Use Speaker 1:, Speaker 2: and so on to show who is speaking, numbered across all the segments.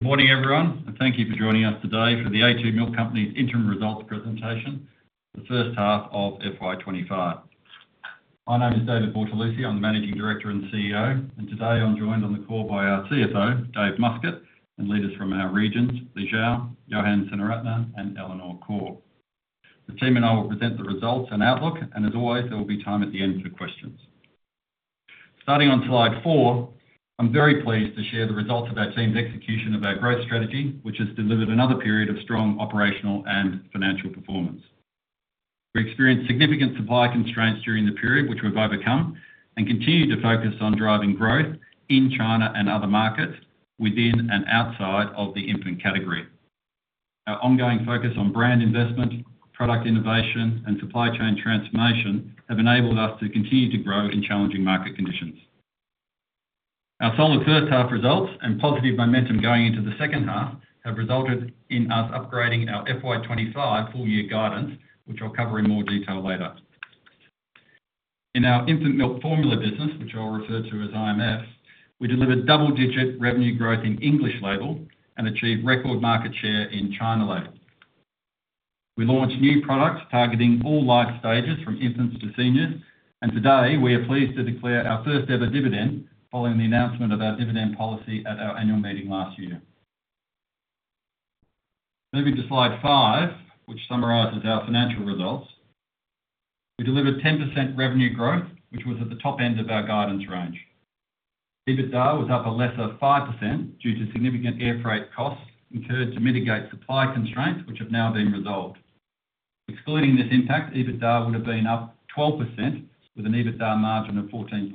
Speaker 1: Good morning, everyone, and thank you for joining us today for the a2 Milk Company's interim results presentation, the first half of FY 2025. My name is David Bortolussi. I'm the Managing Director and CEO, and today I'm joined on the call by our CFO, Dave Muscat, and leaders from our regions, Li Xiao, Yohan Senaratne, and Eleanor Khor. The team and I will present the results and outlook, and as always, there will be time at the end for questions. Starting on Slide 4, I'm very pleased to share the results of our team's execution of our growth strategy, which has delivered another period of strong operational and financial performance. We experienced significant supply constraints during the period, which we've overcome and continue to focus on driving growth in China and other markets within and outside of the infant category. Our ongoing focus on brand investment, product innovation, and supply chain transformation have enabled us to continue to grow in challenging market conditions. Our solid first half results and positive momentum going into the second half have resulted in us upgrading our FY 2025 full-year guidance, which I'll cover in more detail later. In our infant milk formula business, which I'll refer to as IMF, we delivered double-digit revenue growth in English Label and achieved record market share in China Label. We launched new products targeting all life stages from infants to seniors, and today we are pleased to declare our first-ever dividend following the announcement of our dividend policy at our annual meeting last year. Moving to Slide 5, which summarizes our financial results, we delivered 10% revenue growth, which was at the top end of our guidance range. EBITDA was up a lesser 5% due to significant air freight costs incurred to mitigate supply constraints, which have now been resolved. Excluding this impact, EBITDA would have been up 12% with an EBITDA margin of 14.2%.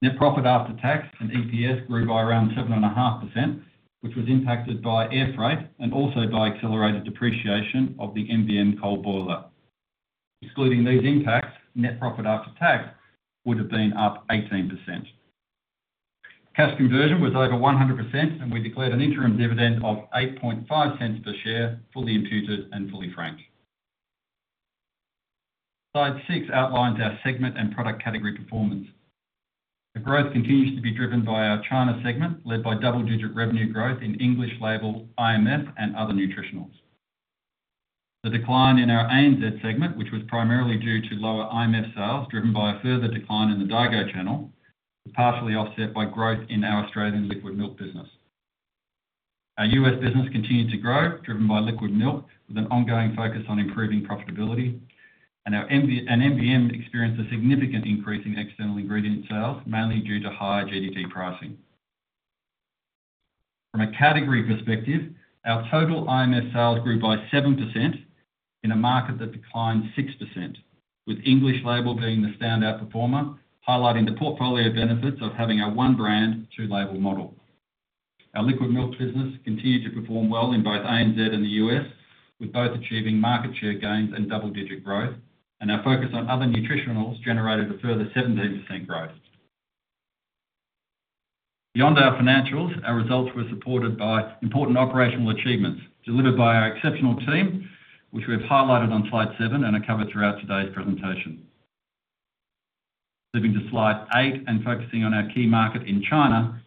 Speaker 1: Net profit after tax and EPS grew by around 7.5%, which was impacted by air freight and also by accelerated depreciation of the MVM coal boiler. Excluding these impacts, net profit after tax would have been up 18%. Cash conversion was over 100%, and we declared an interim dividend of 0.085 per share, fully imputed and fully franked. Slide 6 outlines our segment and product category performance. The growth continues to be driven by our China segment, led by double-digit revenue growth in English Label, IMF, and other nutritionals. The decline in our ANZ segment, which was primarily due to lower IMF sales driven by a further decline in the Daigou channel, was partially offset by growth in our Australian liquid milk business. Our U.S. business continued to grow, driven by liquid milk with an ongoing focus on improving profitability, and our MVM experienced a significant increase in external ingredient sales, mainly due to higher GDT pricing. From a category perspective, our total IMF sales grew by 7% in a market that declined 6%, with English Label being the standout performer, highlighting the portfolio benefits of having a one-brand, two-label model. Our liquid milk business continued to perform well in both ANZ and the U.S., with both achieving market share gains and double-digit growth, and our focus on other nutritionals generated a further 17% growth. Beyond our financials, our results were supported by important operational achievements delivered by our exceptional team, which we have highlighted on slide seven and are covered throughout today's presentation. Moving to slide eight and focusing on our key market in China,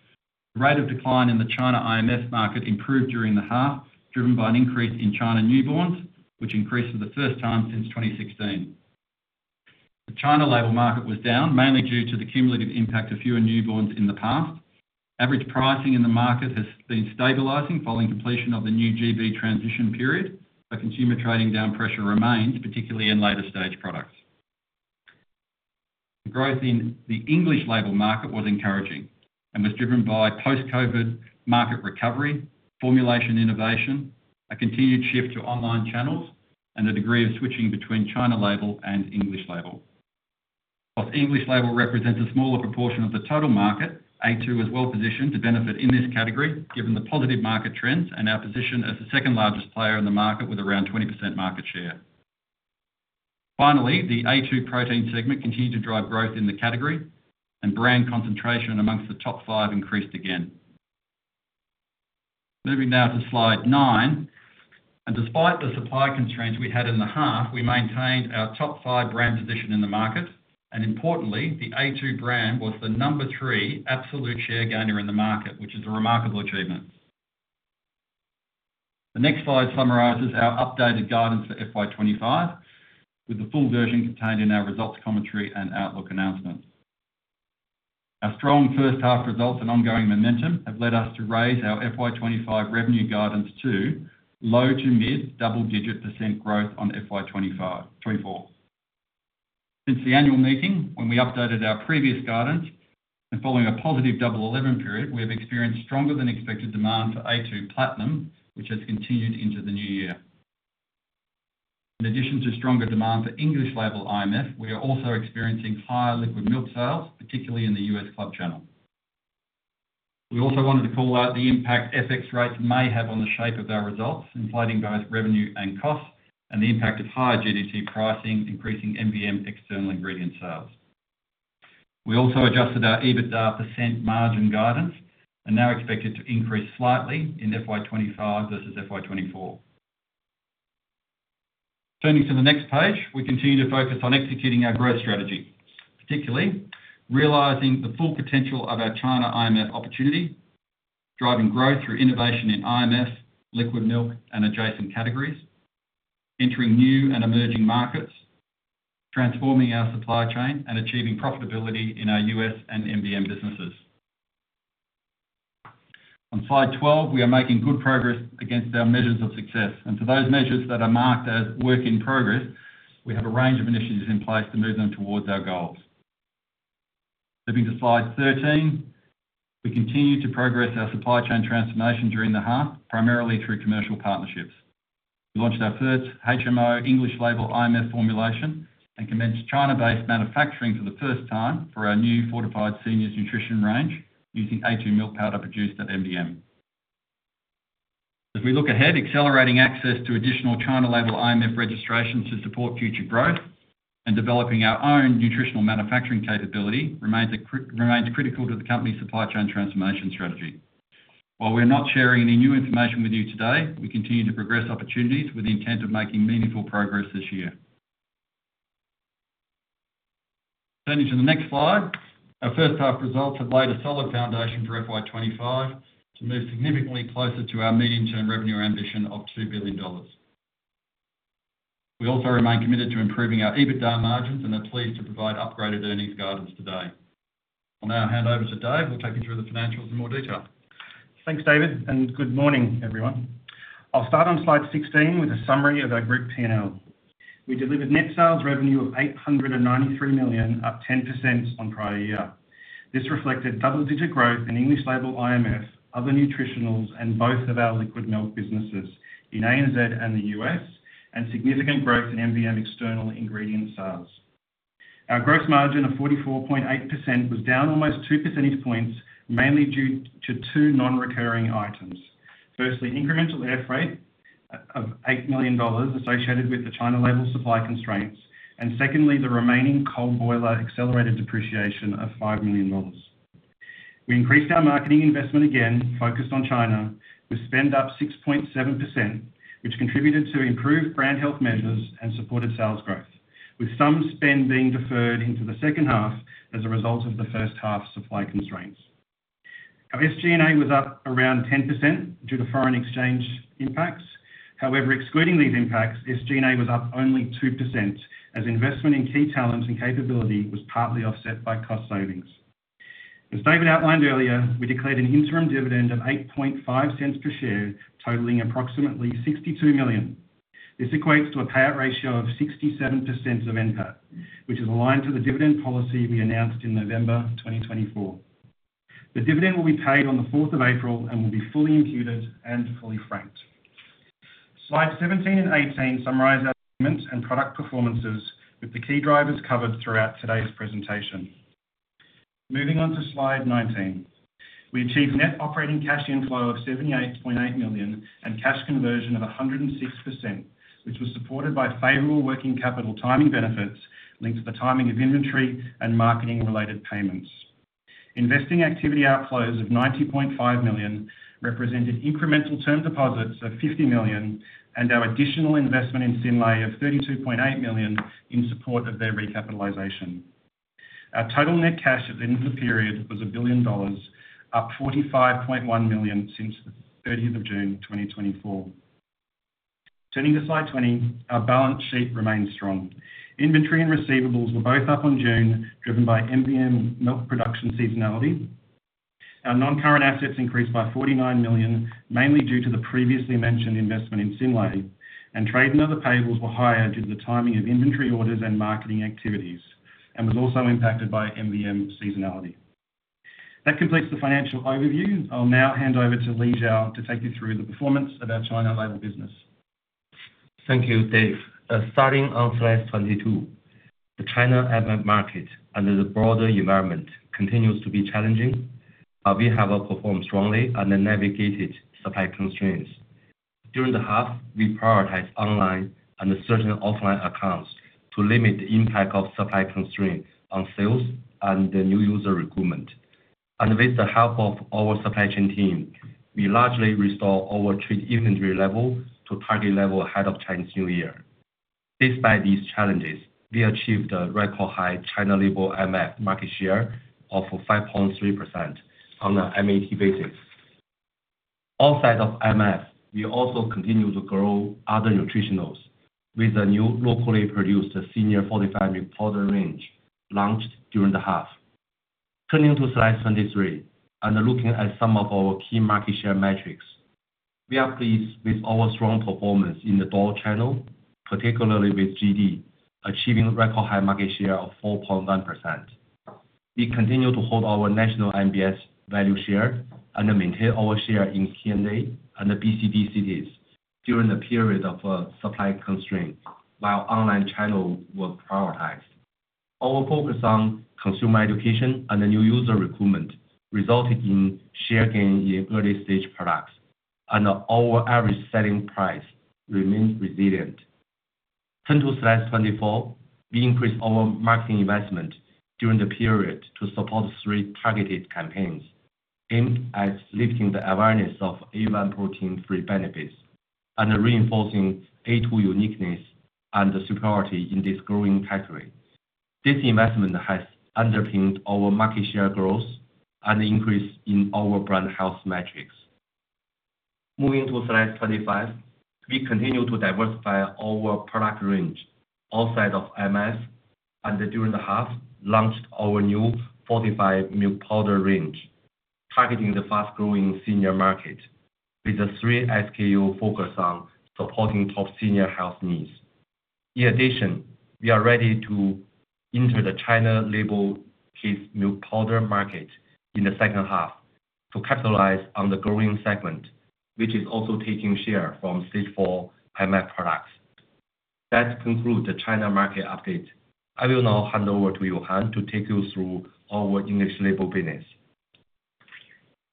Speaker 1: the rate of decline in the China IMF market improved during the half, driven by an increase in China newborns, which increased for the first time since 2016. The China Label market was down, mainly due to the cumulative impact of fewer newborns in the past. Average pricing in the market has been stabilizing following completion of the new GB transition period, but consumer trading down pressure remains, particularly in later-stage products. The growth in the English Label market was encouraging and was driven by post-COVID market recovery, formulation innovation, a continued shift to online channels, and a degree of switching between China Label and English Label. While English Label represents a smaller proportion of the total market, a2 was well positioned to benefit in this category given the positive market trends and our position as the second-largest player in the market with around 20% market share. Finally, the a2 protein segment continued to drive growth in the category, and brand concentration among the top five increased again. Moving now to Slide 9, and despite the supply constraints we had in the half, we maintained our top five brand position in the market, and importantly, the a2 brand was the number three absolute share gainer in the market, which is a remarkable achievement. The next slide summarizes our updated guidance for FY 2025, with the full version contained in our results commentary and outlook announcement. Our strong first half results and ongoing momentum have led us to raise our FY 2025 revenue guidance to low- to mid-double-digit percentage growth on FY 2024. Since the annual meeting, when we updated our previous guidance, and following a positive double 11 period, we have experienced stronger-than-expected demand for a2 Platinum, which has continued into the new year. In addition to stronger demand for English Label IMF, we are also experiencing higher liquid milk sales, particularly in the U.S. club channel. We also wanted to call out the impact FX rates may have on the shape of our results, including both revenue and costs, and the impact of higher GDT pricing increasing MVM external ingredient sales. We also adjusted our EBITDA percent margin guidance and now expect it to increase slightly in FY 2025 versus FY 2024. Turning to the next page, we continue to focus on executing our growth strategy, particularly realizing the full potential of our China IMF opportunity, driving growth through innovation in IMF, liquid milk, and adjacent categories, entering new and emerging markets, transforming our supply chain, and achieving profitability in our U.S. and MVM businesses. On Slide 12, we are making good progress against our measures of success, and for those measures that are marked as work in progress, we have a range of initiatives in place to move them towards our goals. Moving to Slide 13, we continue to progress our supply chain transformation during the half, primarily through commercial partnerships. We launched our first HMO English Label IMF formulation and commenced China-based manufacturing for the first time for our new fortified seniors nutrition range using a2 Milk powder produced at MVM. As we look ahead, accelerating access to additional China Label IMF registrations to support future growth and developing our own nutritional manufacturing capability remains critical to the company's supply chain transformation strategy. While we're not sharing any new information with you today, we continue to progress opportunities with the intent of making meaningful progress this year. Turning to the next slide, our first half results have laid a solid foundation for FY 2025 to move significantly closer to our medium-term revenue ambition of $2 billion. We also remain committed to improving our EBITDA margins and are pleased to provide upgraded earnings guidance today. I'll now hand over to Dave, who will take you through the financials in more detail.
Speaker 2: Thanks, David, and good morning, everyone. I'll start on Slide 16 with a summary of our group P&L. We delivered net sales revenue of 893 million, up 10% on prior year. This reflected double-digit growth in English Label IMF, other nutritionals, and both of our liquid milk businesses in ANZ and the U.S., and significant growth in MVM external ingredient sales. Our gross margin of 44.8% was down almost two percentage points, mainly due to two non-recurring items. Firstly, incremental air freight of 8 million dollars associated with the China Label supply constraints, and secondly, the remaining coal boiler accelerated depreciation of 5 million dollars. We increased our marketing investment again, focused on China, with spend up 6.7%, which contributed to improved brand health measures and supported sales growth, with some spend being deferred into the second half as a result of the first half supply constraints. Our SG&A was up around 10% due to foreign exchange impacts. However, excluding these impacts, SG&A was up only 2% as investment in key talents and capability was partly offset by cost savings. As David outlined earlier, we declared an interim dividend of 0.085 per share, totaling approximately 62 million. This equates to a payout ratio of 67% of NPAT, which is aligned to the dividend policy we announced in November 2024. The dividend will be paid on the 4th of April and will be fully imputed and fully franked. Slides 17 and 18 summarize our payments and product performances with the key drivers covered throughout today's presentation. Moving on to Slide 19, we achieved net operating cash inflow of 78.8 million and cash conversion of 106%, which was supported by favorable working capital timing benefits linked to the timing of inventory and marketing-related payments. Investing activity outflows of 90.5 million represented incremental term deposits of 50 million and our additional investment in Synlait of 32.8 million in support of their recapitalization. Our total net cash at the end of the period was $1 billion, up $45.1 million since the 30th of June 2024. Turning to Slide 20, our balance sheet remained strong. Inventory and receivables were both up on June, driven by MVM milk production seasonality. Our non-current assets increased by 49 million, mainly due to the previously mentioned investment in Synlait, and trade and other payables were higher due to the timing of inventory orders and marketing activities, and was also impacted by MVM seasonality. That completes the financial overview. I'll now hand over to Li Xiao to take you through the performance of our China Label business.
Speaker 3: Thank you, Dave. Starting on Slide 22, the China Label market under the broader environment continues to be challenging. We have performed strongly and navigated supply constraints. During the half, we prioritized online and certain offline accounts to limit the impact of supply constraints on sales and the new user recruitment. With the help of our supply chain team, we largely restored our trade inventory level to target level ahead of Chinese New Year. Despite these challenges, we achieved a record high China Label IMF market share of 5.3% on an MAT basis. Outside of IMF, we also continue to grow other nutritionals with a new locally produced senior fortified milk powder range launched during the half. Turning to Slide 23, and looking at some of our key market share metrics, we are pleased with our strong performance in the Daigou channel, particularly with JD achieving record high market share of 4.1%. We continue to hold our national MBS value share and maintain our share in Key & A and BCD cities during the period of supply constraint, while online channel was prioritized. Our focus on consumer education and the new user recruitment resulted in share gain in early-stage products, and our average selling price remained resilient. Turning to Slide 24, we increased our marketing investment during the period to support three targeted campaigns aimed at lifting the awareness of A1 protein-free benefits and reinforcing a2 uniqueness and superiority in this growing category. This investment has underpinned our market share growth and increase in our brand health metrics. Moving to Slide 25, we continue to diversify our product range outside of IMF, and during the half, launched our new fortified milk powder range, targeting the fast-growing senior market with a three SKU focus on supporting top senior health needs. In addition, we are ready to enter the China Label kids milk powder market in the second half to capitalize on the growing segment, which is also taking share from Stage 4 IMF products. That concludes the China market update. I will now hand over to Yohan to take you through our English Label business.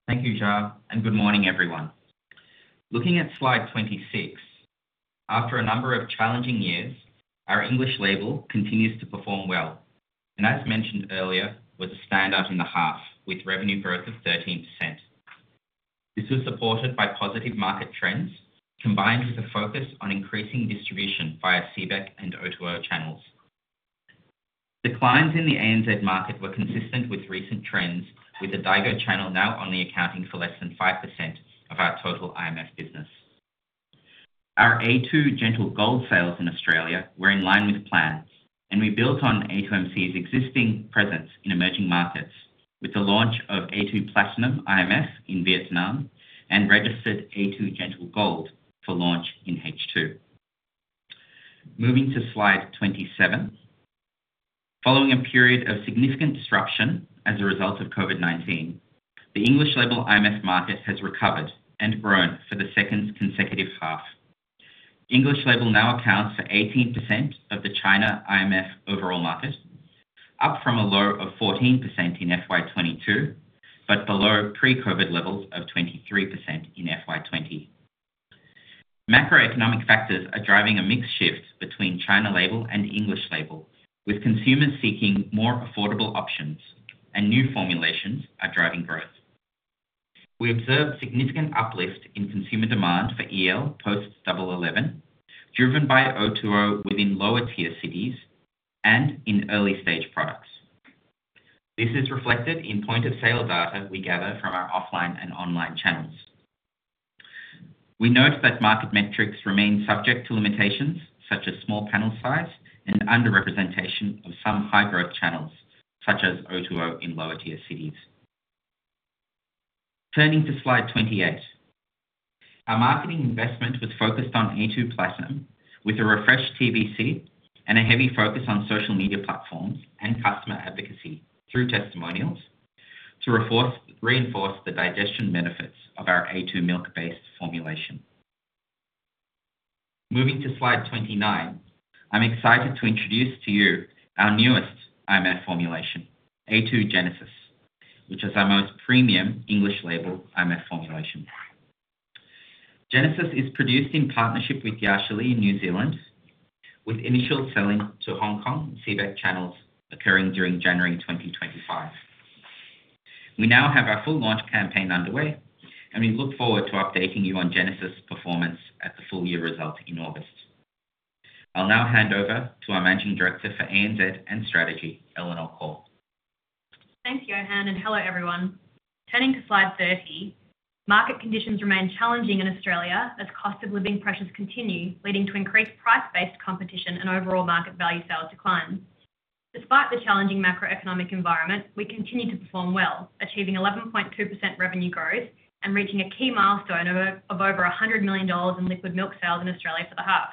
Speaker 4: Thank you, Xiao, and good morning, everyone. Looking at Slide 26, after a number of challenging years, our English Label continues to perform well, and as mentioned earlier, was a standout in the half with revenue growth of 13%. This was supported by positive market trends combined with a focus on increasing distribution via CBEC and O2O channels. Declines in the ANZ market were consistent with recent trends, with the Daigou channel now only accounting for less than 5% of our total IMF business. Our a2 Gentle Gold sales in Australia were in line with plans, and we built on a2 Milk's existing presence in emerging markets with the launch of a2 Platinum IMF in Vietnam and registered a2 Gentle Gold for launch in H2. Moving to Slide 27, following a period of significant disruption as a result of COVID-19, the English Label IMF market has recovered and grown for the second consecutive half. English Label now accounts for 18% of China Label IMF overall market, up from a low of 14% in FY 2022, but below pre-COVID levels of 23% in FY 2020. Macroeconomic factors are driving a mixed shift between China Label and English Label, with consumers seeking more affordable options, and new formulations are driving growth. We observed significant uplift in consumer demand for EL post-11/11, driven by O2O within lower-tier cities and in early-stage products. This is reflected in point of sale data we gather from our offline and online channels. We note that market metrics remain subject to limitations such as small panel size and underrepresentation of some high-growth channels such as O2O in lower-tier cities. Turning to Slide 28, our marketing investment was focused on a2 Platinum with a refreshed TVC and a heavy focus on social media platforms and customer advocacy through testimonials to reinforce the digestion benefits of our a2 Milk-based formulation. Moving to Slide 29, I'm excited to introduce to you our newest IMF formulation, a2 Genesis, which is our most premium English Label IMF formulation. Genesis is produced in partnership with Yashili in New Zealand, with initial selling to Hong Kong and CBEC channels occurring during January 2025. We now have our full launch campaign underway, and we look forward to updating you on Genesis' performance at the full-year result in August. I'll now hand over to our Managing Director for ANZ and Strategy, Eleanor Khor.
Speaker 5: Thanks, Yohan, and hello, everyone. Turning to Slide 30, market conditions remain challenging in Australia as cost of living pressures continue, leading to increased price-based competition and overall market value sales decline. Despite the challenging macroeconomic environment, we continue to perform well, achieving 11.2% revenue growth and reaching a key milestone of over $100 million in liquid milk sales in Australia for the half.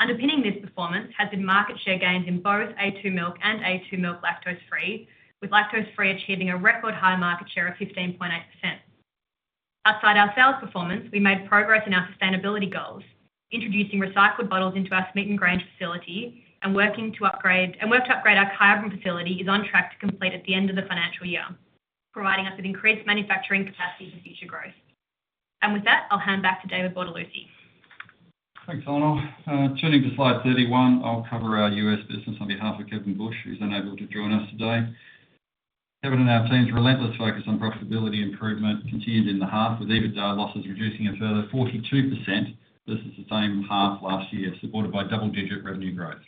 Speaker 5: Underpinning this performance has been market share gains in both a2 Milk and a2 Milk Lactose Free, with Lactose Free achieving a record high market share of 15.8%. Outside our sales performance, we made progress in our sustainability goals, introducing recycled bottles into our Smeaton Grange facility and worked to upgrade our Smeaton Grange facility is on track to complete at the end of the financial year, providing us with increased manufacturing capacity for future growth. With that, I'll hand back to David Bortolussi.
Speaker 1: Thanks, Eleanor. Turning to Slide 31, I'll cover our U.S. business on behalf of Kevin Bush, who's unable to join us today. Kevin and our team's relentless focus on profitability improvement continued in the half, with EBITDA losses reducing a further 42% versus the same half last year, supported by double-digit revenue growth.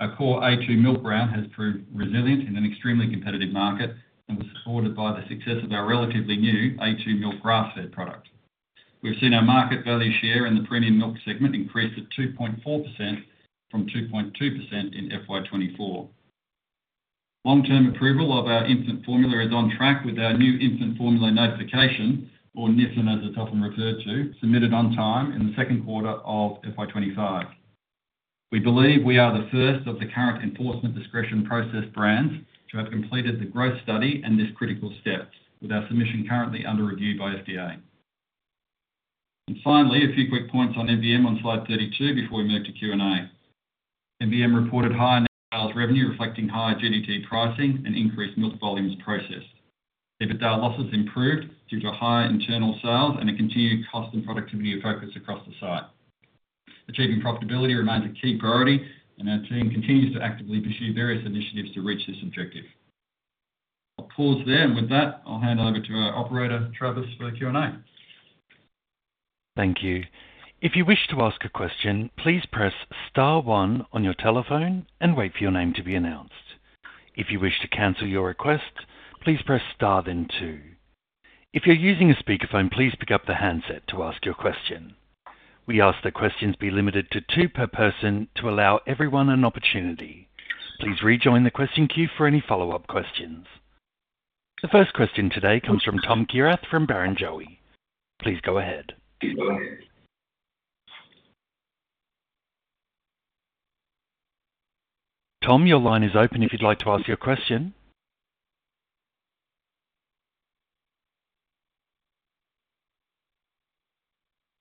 Speaker 1: Our core a2 Milk brand has proved resilient in an extremely competitive market and was supported by the success of our relatively new a2 Milk Grassfed product. We've seen our market value share in the premium milk segment increase to 2.4% from 2.2% in FY 2024. Long-term approval of our infant formula is on track with our new infant formula notification, or NIFN, as it's often referred to, submitted on time in the second quarter of FY 2025. We believe we are the first of the current enforcement discretion process brands to have completed the growth study and this critical step, with our submission currently under review by FDA, and finally, a few quick points on MVM on Slide 32 before we move to Q&A. MVM reported higher net sales revenue reflecting higher GDT pricing and increased milk volumes processed. EBITDA losses improved due to higher internal sales and a continued cost and productivity focus across the site. Achieving profitability remains a key priority, and our team continues to actively pursue various initiatives to reach this objective. I'll pause there, and with that, I'll hand over to our operator, Travis, for the Q&A.
Speaker 6: Thank you. If you wish to ask a question, please press star one on your telephone and wait for your name to be announced. If you wish to cancel your request, please press star then two. If you're using a speakerphone, please pick up the handset to ask your question. We ask that questions be limited to two per person to allow everyone an opportunity. Please rejoin the question queue for any follow-up questions. The first question today comes from Tom Kierath from Barrenjoey. Please go ahead. Tom, your line is open if you'd like to ask your question.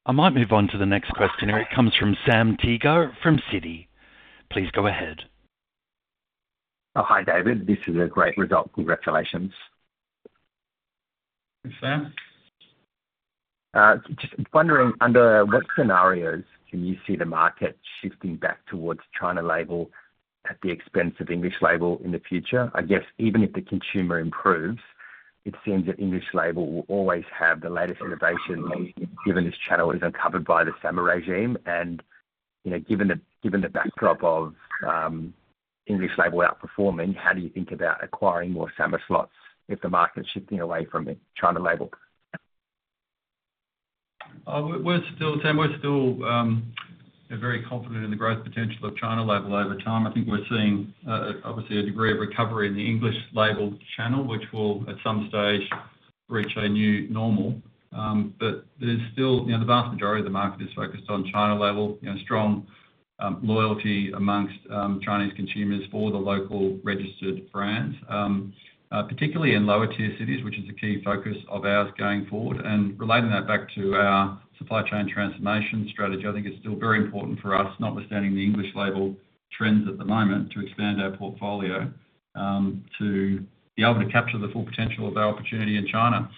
Speaker 6: I might move on to the next question, and it comes from Sam Teeger from Citi. Please go ahead.
Speaker 7: Hi, David. This is a great result. Congratulations.
Speaker 1: Thanks, Sam.
Speaker 7: Just wondering, under what scenarios can you see the market shifting back towards China Label at the expense of English Label in the future? I guess even if the consumer improves, it seems that English Label will always have the latest innovation given this channel is uncovered by the SAMR regime and given the backdrop of English Label outperforming, how do you think about acquiring more SAMR slots if the market's shifting away from China Label?
Speaker 1: We're still very confident in the growth potential of China Label over time. I think we're seeing, obviously, a degree of recovery in the English Label channel, which will at some stage reach a new normal. But there's still the vast majority of the market is focused on China Label. Strong loyalty among Chinese consumers for the local registered brands, particularly in lower-tier cities, which is a key focus of ours going forward. Relating that back to our supply chain transformation strategy, I think it's still very important for us, not withstanding the English Label trends at the moment, to expand our portfolio to be able to capture the full potential of our opportunity in China.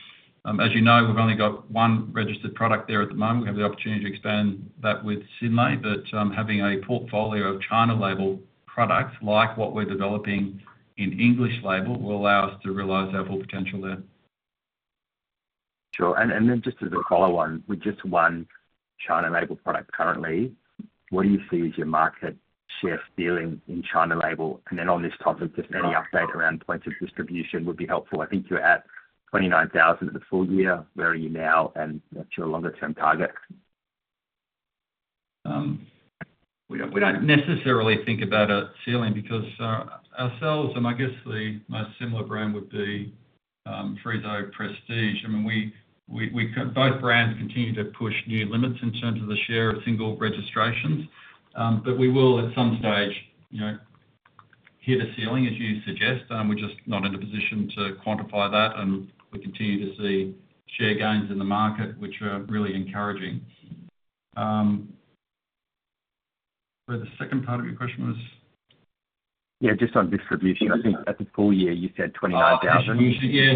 Speaker 1: As you know, we've only got one registered product there at the moment. We have the opportunity to expand that with Synlait, but having a portfolio of China Label products like what we're developing in English Label will allow us to realize our full potential there.
Speaker 7: Sure. Then just as a follow-on, with just one China Label product currently, what do you see as your market share in China Label? Then on this topic, just any update around points of distribution would be helpful. I think you're at 29,000 at the full-year. Where are you now, and what's your longer-term target?
Speaker 1: We don't necessarily think about a ceiling because ourselves, and I guess the most similar brand would be Friso Prestige. I mean, both brands continue to push new limits in terms of the share of single registrations, but we will at some stage hit a ceiling, as you suggest. We're just not in a position to quantify that, and we continue to see share gains in the market, which are really encouraging. The second part of your question was?
Speaker 7: Yeah, just on distribution. I think at the full year, you said 29,000
Speaker 1: Yeah,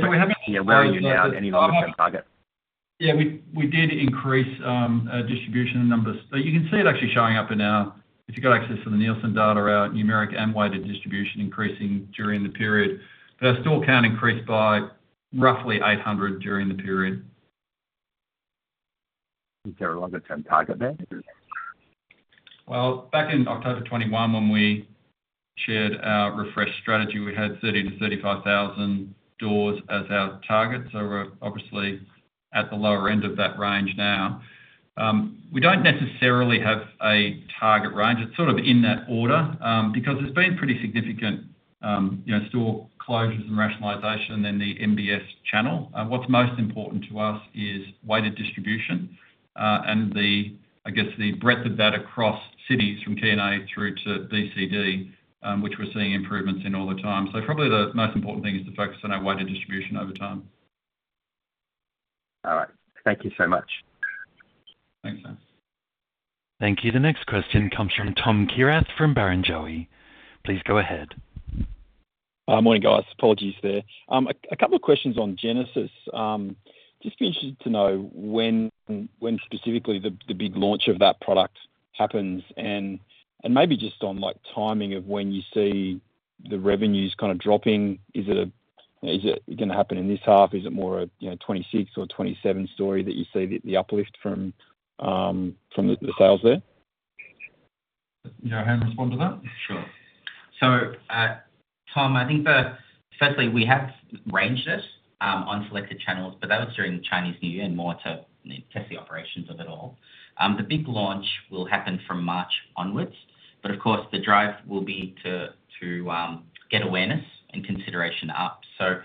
Speaker 1: so we haven't.
Speaker 3: Yeah, where are you now? Any longer-term target?
Speaker 1: Yeah, we did increase distribution numbers. You can see it actually showing up in our FY if you've got access to the Nielsen data, our numeric and weighted distribution increasing during the period, but it still can increase by roughly 800 during the period.
Speaker 7: Is there a longer-term target there?
Speaker 1: Back in October 2021, when we shared our refreshed strategy, we had 30,000 to 35,000 doors as our target. We're obviously at the lower end of that range now. We don't necessarily have a target range. It's sort of in that order because there's been pretty significant store closures and rationalization in the MBS channel. What's most important to us is weighted distribution and, I guess, the breadth of that across cities from K&A through to BCD, which we're seeing improvements in all the time. Probably the most important thing is to focus on our weighted distribution over time.
Speaker 7: All right. Thank you so much.
Speaker 1: Thanks, Sam.
Speaker 6: Thank you. The next question comes from Tom Kierath from Barrenjoey. Please go ahead.
Speaker 8: Morning, guys. Apologies there. A couple of questions on Genesis. Just be interested to know when specifically the big launch of that product happens and maybe just on timing of when you see the revenues kind of dropping. Is it going to happen in this half? Is it more a 2026 or 2027 story that you see the uplift from the sales there?
Speaker 1: Yohan respond to that?
Speaker 4: Sure. So, Tom, I think, firstly, we have ranged it on selected channels, but that was during the Chinese New Year and more to test the operations of it all. The big launch will happen from March onwards, but of course, the drive will be to get awareness and consideration up. So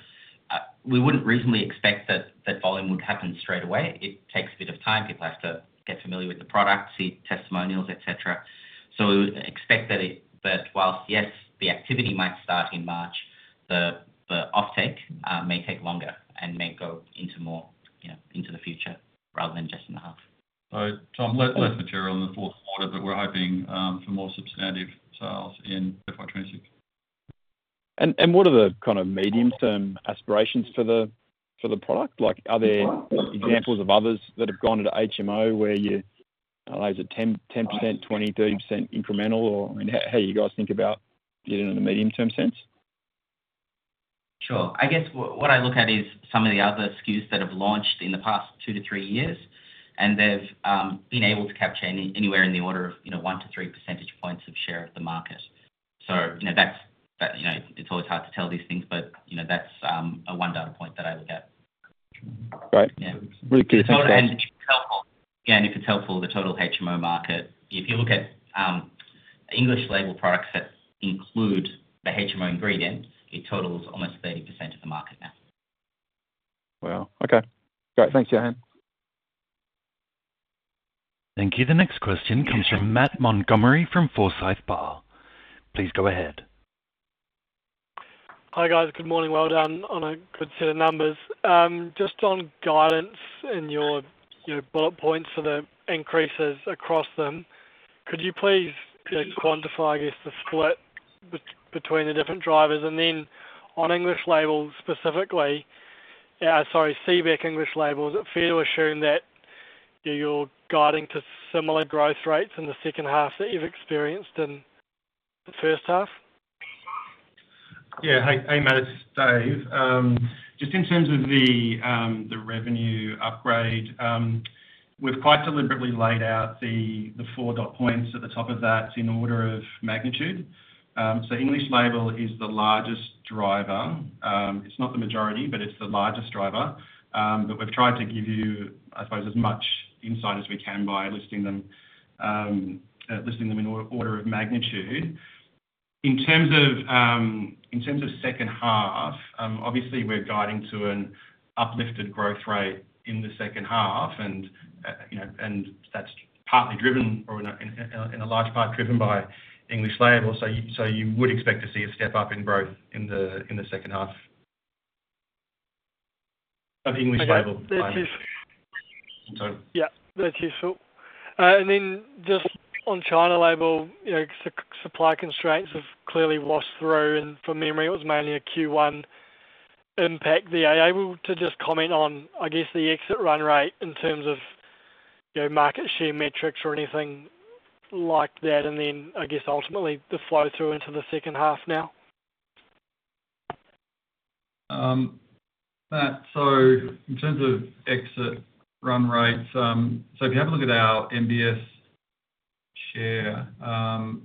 Speaker 4: we wouldn't reasonably expect that volume would happen straight away. It takes a bit of time. People have to get familiar with the product, see testimonials, etc. So we would expect that whilst, yes, the activity might start in March, the offtake may take longer and may go into more into the future rather than just in the half.
Speaker 1: Tom, less material in the fourth quarter, but we're hoping for more substantive sales in FY 2026.
Speaker 8: What are the kind of medium-term aspirations for the product? Are there examples of others that have gone into HMO where you're 10%, 20%, 30% incremental? How do you guys think about it in a medium-term sense?
Speaker 4: Sure. I guess what I look at is some of the other SKUs that have launched in the past two to three years, and they've been able to capture anywhere in the order of one to three percentage points of share of the market. So it's always hard to tell these things, but that's one data point that I look at.
Speaker 8: Great. Really good.
Speaker 4: If it's helpful, yeah, the total HMO market, if you look at English Label products that include the HMO ingredients, it totals almost 30% of the market now.
Speaker 8: Wow. Okay. Great. Thanks, Yohan.
Speaker 6: Thank you. The next question comes from Matt Montgomerie from Forsyth Barr. Please go ahead.
Speaker 9: Hi, guys. Good morning. Well done on a good set of numbers. Just on guidance and your bullet points for the increases across them, could you please quantify, I guess, the split between the different drivers? Then on English Labels specifically, sorry, CBEC English Labels, fair to assume that you're guiding to similar growth rates in the second half that you've experienced in the first half?
Speaker 2: Yeah. Hey, Matt, it's Dave. Just in terms of the revenue upgrade, we've quite deliberately laid out the four dot points at the top of that in order of magnitude. So English Label is the largest driver. It's not the majority, but it's the largest driver, but we've tried to give you, I suppose, as much insight as we can by listing them in order of magnitude. In terms of second half, obviously, we're guiding to an uplifted growth rate in the second half, and that's partly driven or in a large part driven by English Label. So you would expect to see a step up in growth in the second half of English Label.
Speaker 9: Yeah. That's useful. Then just on China Label, supply constraints have clearly washed through and from memory, it was mainly a Q1 impact. Are you able to just comment on, I guess, the exit run rate in terms of market share metrics or anything like that, and then, I guess, ultimately, the flow through into the second half now?
Speaker 2: Matt, in terms of exit run rates, if you have a look at our MBS share,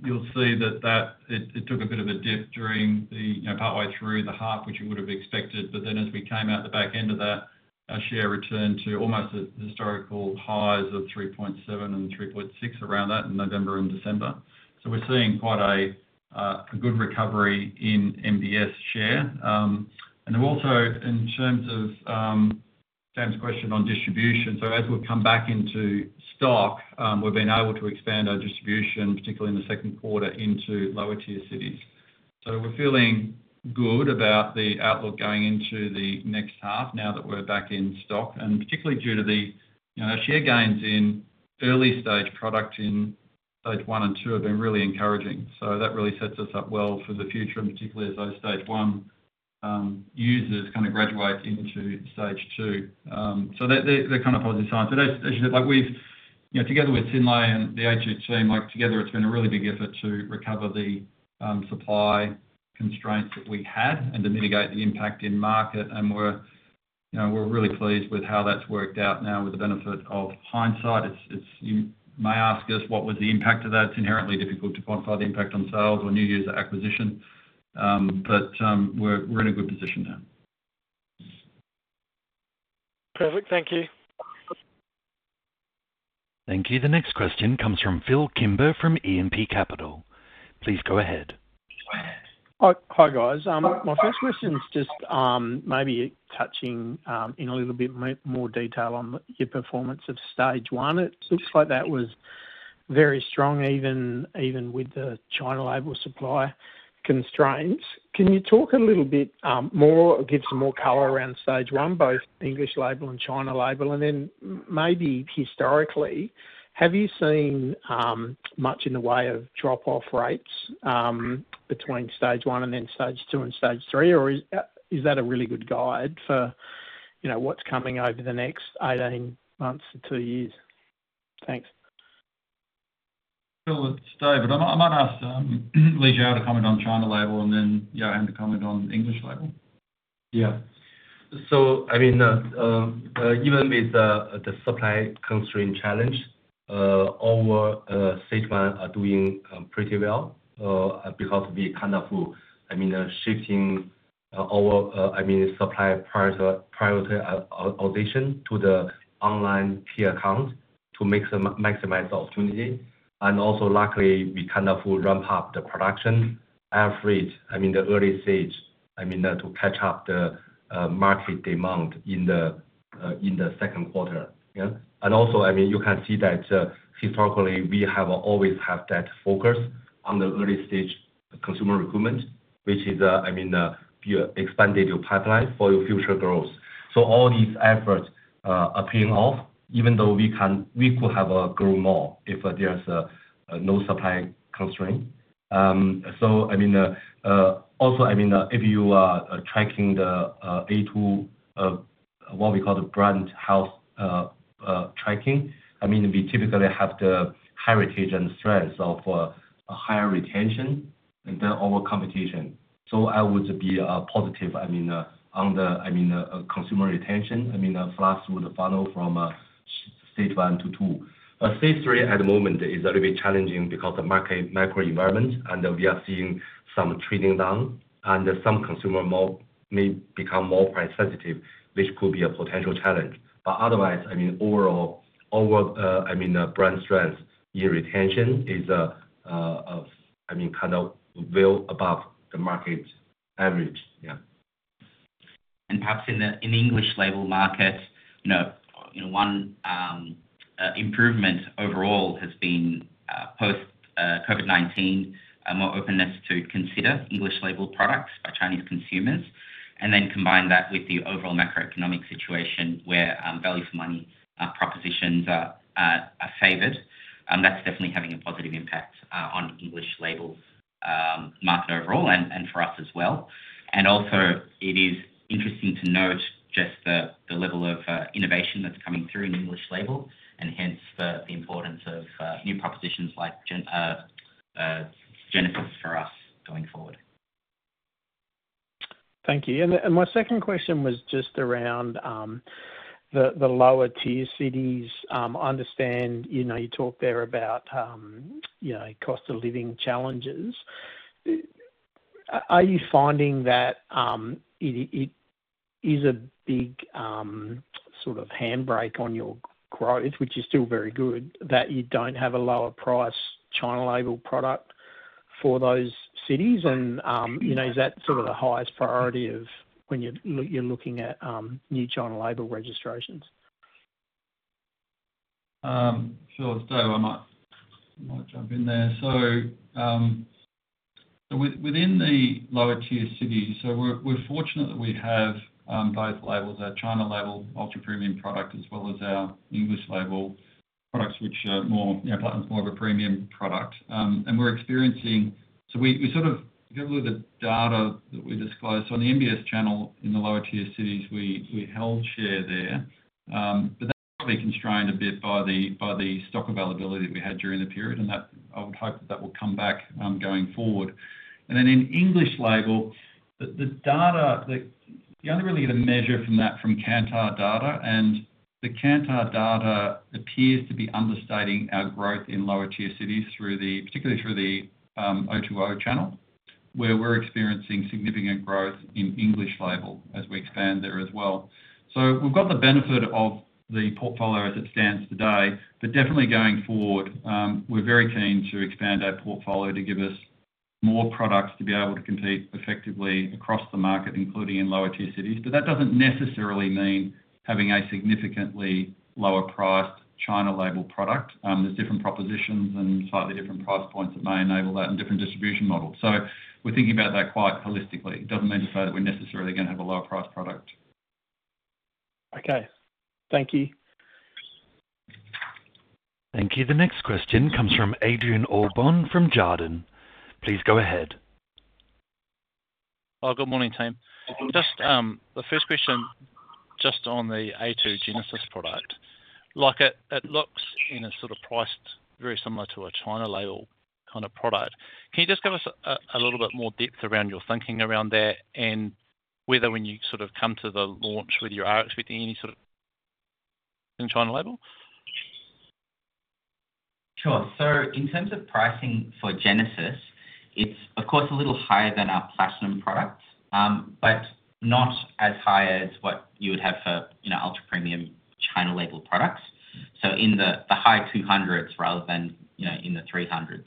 Speaker 2: you'll see that it took a bit of a dip partway through the half, which you would have expected. Then as we came out the back end of that, our share returned to almost historical highs of 3.7% and 3.6% around that in November and December. We're seeing quite a good recovery in MBS share. In terms of Sam's question on distribution, as we've come back into stock, we've been able to expand our distribution, particularly in the second quarter, into lower-tier cities. We're feeling good about the outlook going into the next half now that we're back in stock, and particularly due to the share gains in early-stage products in Stage 1 and 2 have been really encouraging. So that really sets us up well for the future, and particularly as those Stage 1 users kind of graduate into Stage 2. So they're kind of positive signs. But as you said, together with Synlait and the supply chain team, it's been a really big effort to recover the supply constraints that we had and to mitigate the impact in market and we're really pleased with how that's worked out now with the benefit of hindsight. You may ask us, "What was the impact of that?" It's inherently difficult to quantify the impact on sales or new user acquisition, but we're in a good position now.
Speaker 9: Perfect. Thank you.
Speaker 6: Thank you. The next question comes from Phillip Kimber from E&P Capital. Please go ahead.
Speaker 10: Hi, guys. My first question is just maybe touching on a little bit more detail on your performance of Stage 1. It looks like that was very strong even with the China Label supply constraints. Can you talk a little bit more or give some more color around Stage 1, both English Label and China Label? Then maybe historically, have you seen much in the way of drop-off rates between Stage 1 and then Stage 2 and Stage 3, or is that a really good guide for what's coming over the next 18 months to two years? Thanks.
Speaker 1: Phillip, I might ask Li Xiao to comment on China Label and then Yohan to comment on English Label.
Speaker 3: Yeah. So I mean, even with the supply constraint challenge, our Stage 1 are doing pretty well because we kind of, I mean, shifting our supply prioritization to the online key account to maximize the opportunity. Also, luckily, we kind of ramp up the production at a rate in the early stage to catch up the market demand in the second quarter. Also, I mean, you can see that historically, we have always had that focus on the early-stage consumer recruitment, which is, I mean, your expanded pipeline for your future growth. So all these efforts are paying off, even though we could have grown more if there's no supply constraint. So I mean, also, I mean, if you are tracking the a2, what we call the brand health tracking, I mean, we typically have the heritage and strengths of higher retention and then over competition. So I would be positive, I mean, on the consumer retention. I mean, for us, it would follow from Stage 1 to 2. Stage 3 at the moment is a little bit challenging because of the market macro environment, and we are seeing some trending down, and some consumer may become more price sensitive, which could be a potential challenge. But otherwise, I mean, overall, I mean, brand strength in retention is, I mean, kind of well above the market average. Yeah.
Speaker 4: Perhaps in the English Label market, one improvement overall has been post-COVID-19, more openness to consider English Label products by Chinese consumers and then combine that with the overall macroeconomic situation where value for money propositions are favored. That's definitely having a positive impact on English Label market overall and for us as well. Also, it is interesting to note just the level of innovation that's coming through in English Label and hence the importance of new propositions like Genesis for us going forward.
Speaker 10: Thank you. My second question was just around the lower-tier cities. I understand you talked there about cost of living challenges. Are you finding that it is a big sort of handbrake on your growth, which is still very good, that you don't have a lower-priced China Label product for those cities and is that sort of the highest priority when you're looking at new China Label registrations?
Speaker 1: Sure, so I might jump in there. Within the lower-tier cities, we're fortunate that we have both labels, our China Label ultra-premium product as well as our English Label products, which are more premium, more of a premium product. We're experiencing, so we sort of, if you have a look at the data that we disclose, on the MBS channel in the lower-tier cities, we held share there. That's probably constrained a bit by the stock availability that we had during the period, and I would hope that that will come back going forward. In English Label, the data, you're only really going to measure from that, from Kantar data, and the Kantar data appears to be understating our growth in lower-tier cities particularly through the O2O channel, where we're experiencing significant growth in English Label as we expand there as well. So we've got the benefit of the portfolio as it stands today, but definitely going forward, we're very keen to expand our portfolio to give us more products to be able to compete effectively across the market, including in lower-tier cities. But that doesn't necessarily mean having a significantly lower-priced China Label product. There's different propositions and slightly different price points that may enable that in different distribution models. So we're thinking about that quite holistically. It doesn't mean to say that we're necessarily going to have a lower-priced product.
Speaker 10: Okay. Thank you.
Speaker 6: Thank you. The next question comes from Adrian Allbon from Jarden. Please go ahead.
Speaker 11: Hi. Good morning, team. The first question just on the a2 Genesis product, it looks in a sort of priced very similar to a China Label kind of product. Can you just give us a little bit more depth around your thinking around that and whether when you sort of come to the launch with your RX15, any sort of in China Label?
Speaker 4: Sure. So in terms of pricing for Genesis, it's, of course, a little higher than our Platinum products, but not as high as what you would have for Ultra-Premium China Label products. So in the high 200s rather than in the 300s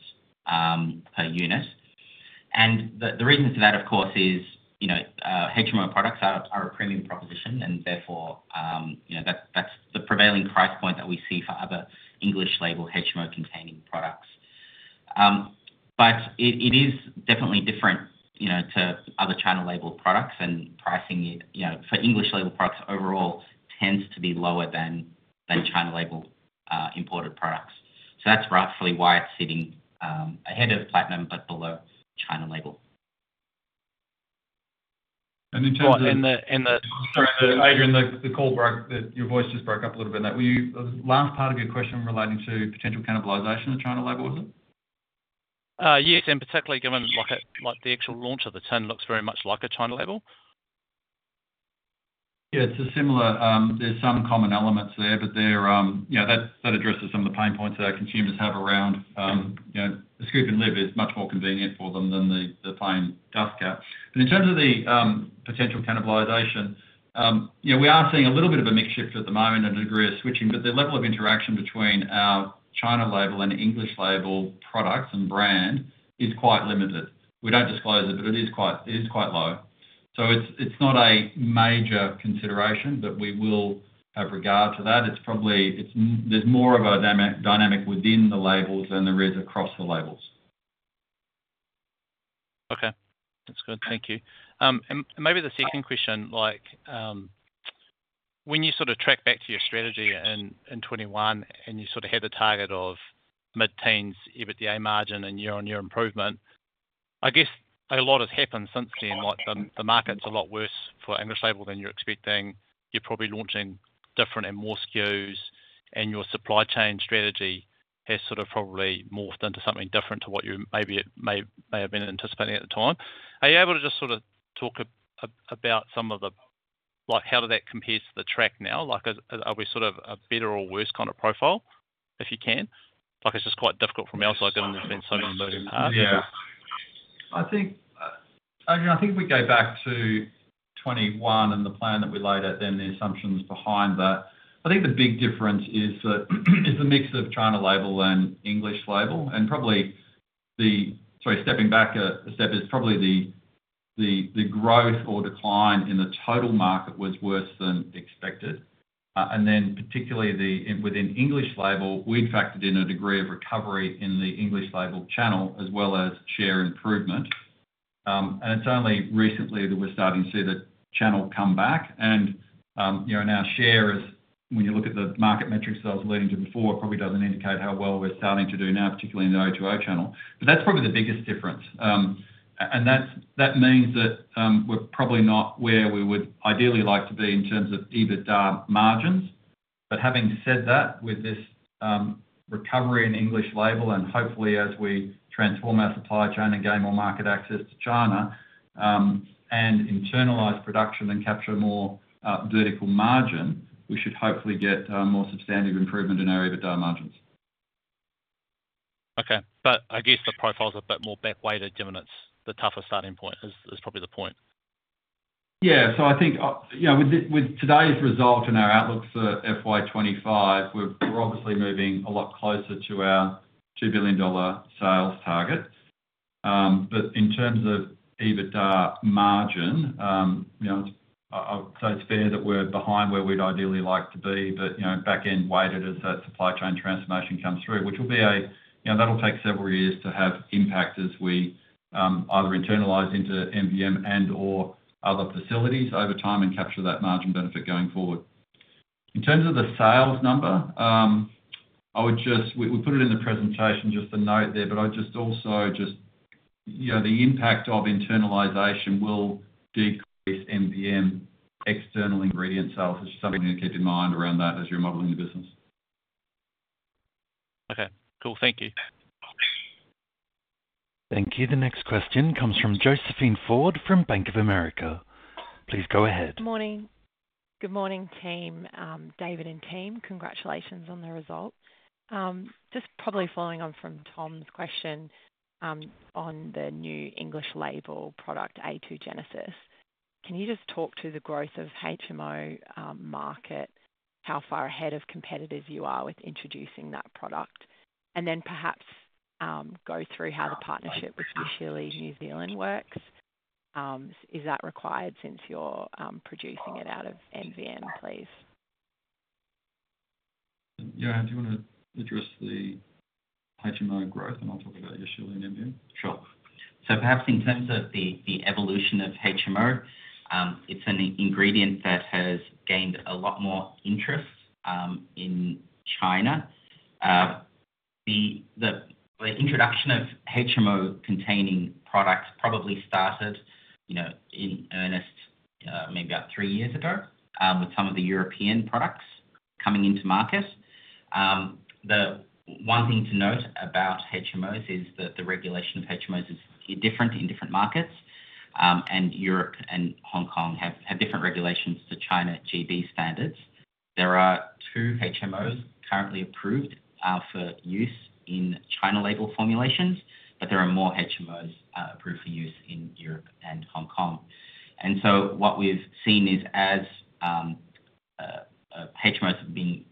Speaker 4: per unit. The reason for that, of course, is HMO products are a premium proposition, and therefore, that's the prevailing price point that we see for other English Label HMO-containing products. But it is definitely different to other China Label products, and pricing for English Label products overall tends to be lower than China Label imported products. So that's roughly why it's sitting ahead of platinum but below China Label.
Speaker 11: In terms of
Speaker 1: Sorry, Adrian, the call broke. That, your voice just broke up a little bit. Was the last part of your question relating to potential cannibalization of China Label, was it?
Speaker 11: Yes, and particularly given the actual launch of the a2 looks very much like a China Label.
Speaker 1: Yeah. It's similar. There's some common elements there, but that addresses some of the pain points that our consumers have around the scoop and lid. It's much more convenient for them than the plain dust can. But in terms of the potential cannibalization, we are seeing a little bit of a mixed shift at the moment and a degree of switching, but the level of interaction between our China Label and English Label products and brand is quite limited. We don't disclose it, but it is quite low. So it's not a major consideration, but we will have regard to that. There's more of a dynamic within the labels than there is across the labels.
Speaker 11: Okay. That's good. Thank you. Maybe the second question, when you sort of track back to your strategy in 2021 and you sort of had the target of mid-teens EBITDA margin and you're on your improvement, I guess a lot has happened since then. The market's a lot worse for English Label than you're expecting. You're probably launching different and more SKUs, and your supply chain strategy has sort of probably morphed into something different to what you may have been anticipating at the time. Are you able to just sort of talk about some of the, how does that compare to the track now? Are we sort of a better or worse kind of profile if you can? It's just quite difficult for me also given there's been so many learning paths.
Speaker 1: Yeah. Adrian, I think we go back to 2021 and the plan that we laid out then and the assumptions behind that. I think the big difference is the mix of China Label and English Label and probably the, sorry, stepping back a step, is probably the growth or decline in the total market was worse than expected. Then particularly within English Label, we factored in a degree of recovery in the English Label channel as well as share improvement and it's only recently that we're starting to see the channel come back and our share, when you look at the market metrics that I was alluding to before, probably doesn't indicate how well we're starting to do now, particularly in the O2O channel. But that's probably the biggest difference. That means that we're probably not where we would ideally like to be in terms of EBITDA margins. But having said that, with this recovery in English Label and hopefully as we transform our supply chain and gain more market access to China and internalize production and capture more vertical margin, we should hopefully get more substantive improvement in our EBITDA margins.
Speaker 11: Okay. But I guess the profile's a bit more back-weighted, given it's the tougher starting point, is probably the point.
Speaker 1: Yeah. So I think with today's result and our outlook for FY 2025, we're obviously moving a lot closer to our $2 billion sales target. But in terms of EBITDA margin, I would say it's fair that we're behind where we'd ideally like to be, but back-end weighted as that supply chain transformation comes through. Which will be that'll take several years to have impact as we either internalize into MVM and/or other facilities over time and capture that margin benefit going forward. In terms of the sales number, we put it in the presentation just to note there, but I'd just also the impact of internalization will decrease MVM external ingredient sales, which is something to keep in mind around that as you're modeling the business.
Speaker 11: Okay. Cool. Thank you.
Speaker 6: Thank you. The next question comes from Josephine Forde from Bank of America. Please go ahead.
Speaker 12: Good morning. Good morning, team. David and team, congratulations on the result. Just probably following on from Tom's question on the new English Label product, a2 Genesis, can you just talk to the growth of HMO market, how far ahead of competitors you are with introducing that product, and then perhaps go through how the partnership with Yashili New Zealand works? Is that required since you're producing it out of MVM, please?
Speaker 1: Yohan, do you want to address the HMO growth, and I'll talk about your Synlait and MVM?
Speaker 4: Sure. So perhaps in terms of the evolution of HMO, it's an ingredient that has gained a lot more interest in China. The introduction of HMO-containing products probably started in earnest maybe about three years ago with some of the European products coming into market. One thing to note about HMOs is that the regulation of HMOs is different in different markets, and Europe and Hong Kong have different regulations to China GB standards. There are two HMOs currently approved for use in China Label formulations, but there are more HMOs approved for use in Europe and Hong Kong. What we've seen is as HMOs have been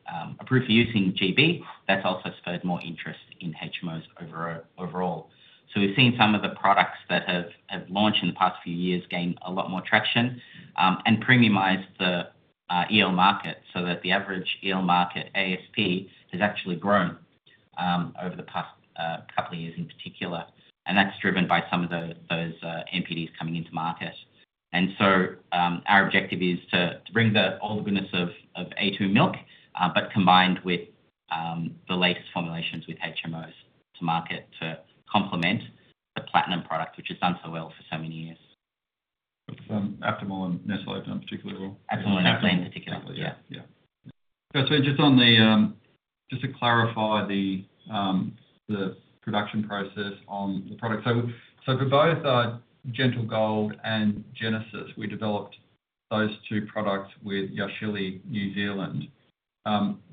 Speaker 4: approved for use in GB, that's also spurred more interest in HMOs overall. We've seen some of the products that have launched in the past few years gain a lot more traction and premiumize the EO market so that the average EO market ASP has actually grown over the past couple of years in particular. That's driven by some of those NPDs coming into market. Our objective is to bring all the goodness of a2 Milk but combined with the latest formulations with HMOs to market to complement the a2 Platinum product, which has done so well for so many years.
Speaker 1: Yeah. So just to clarify the production process on the product. So for both Gentle Gold and Genesis, we developed those two products with Yashili, New Zealand.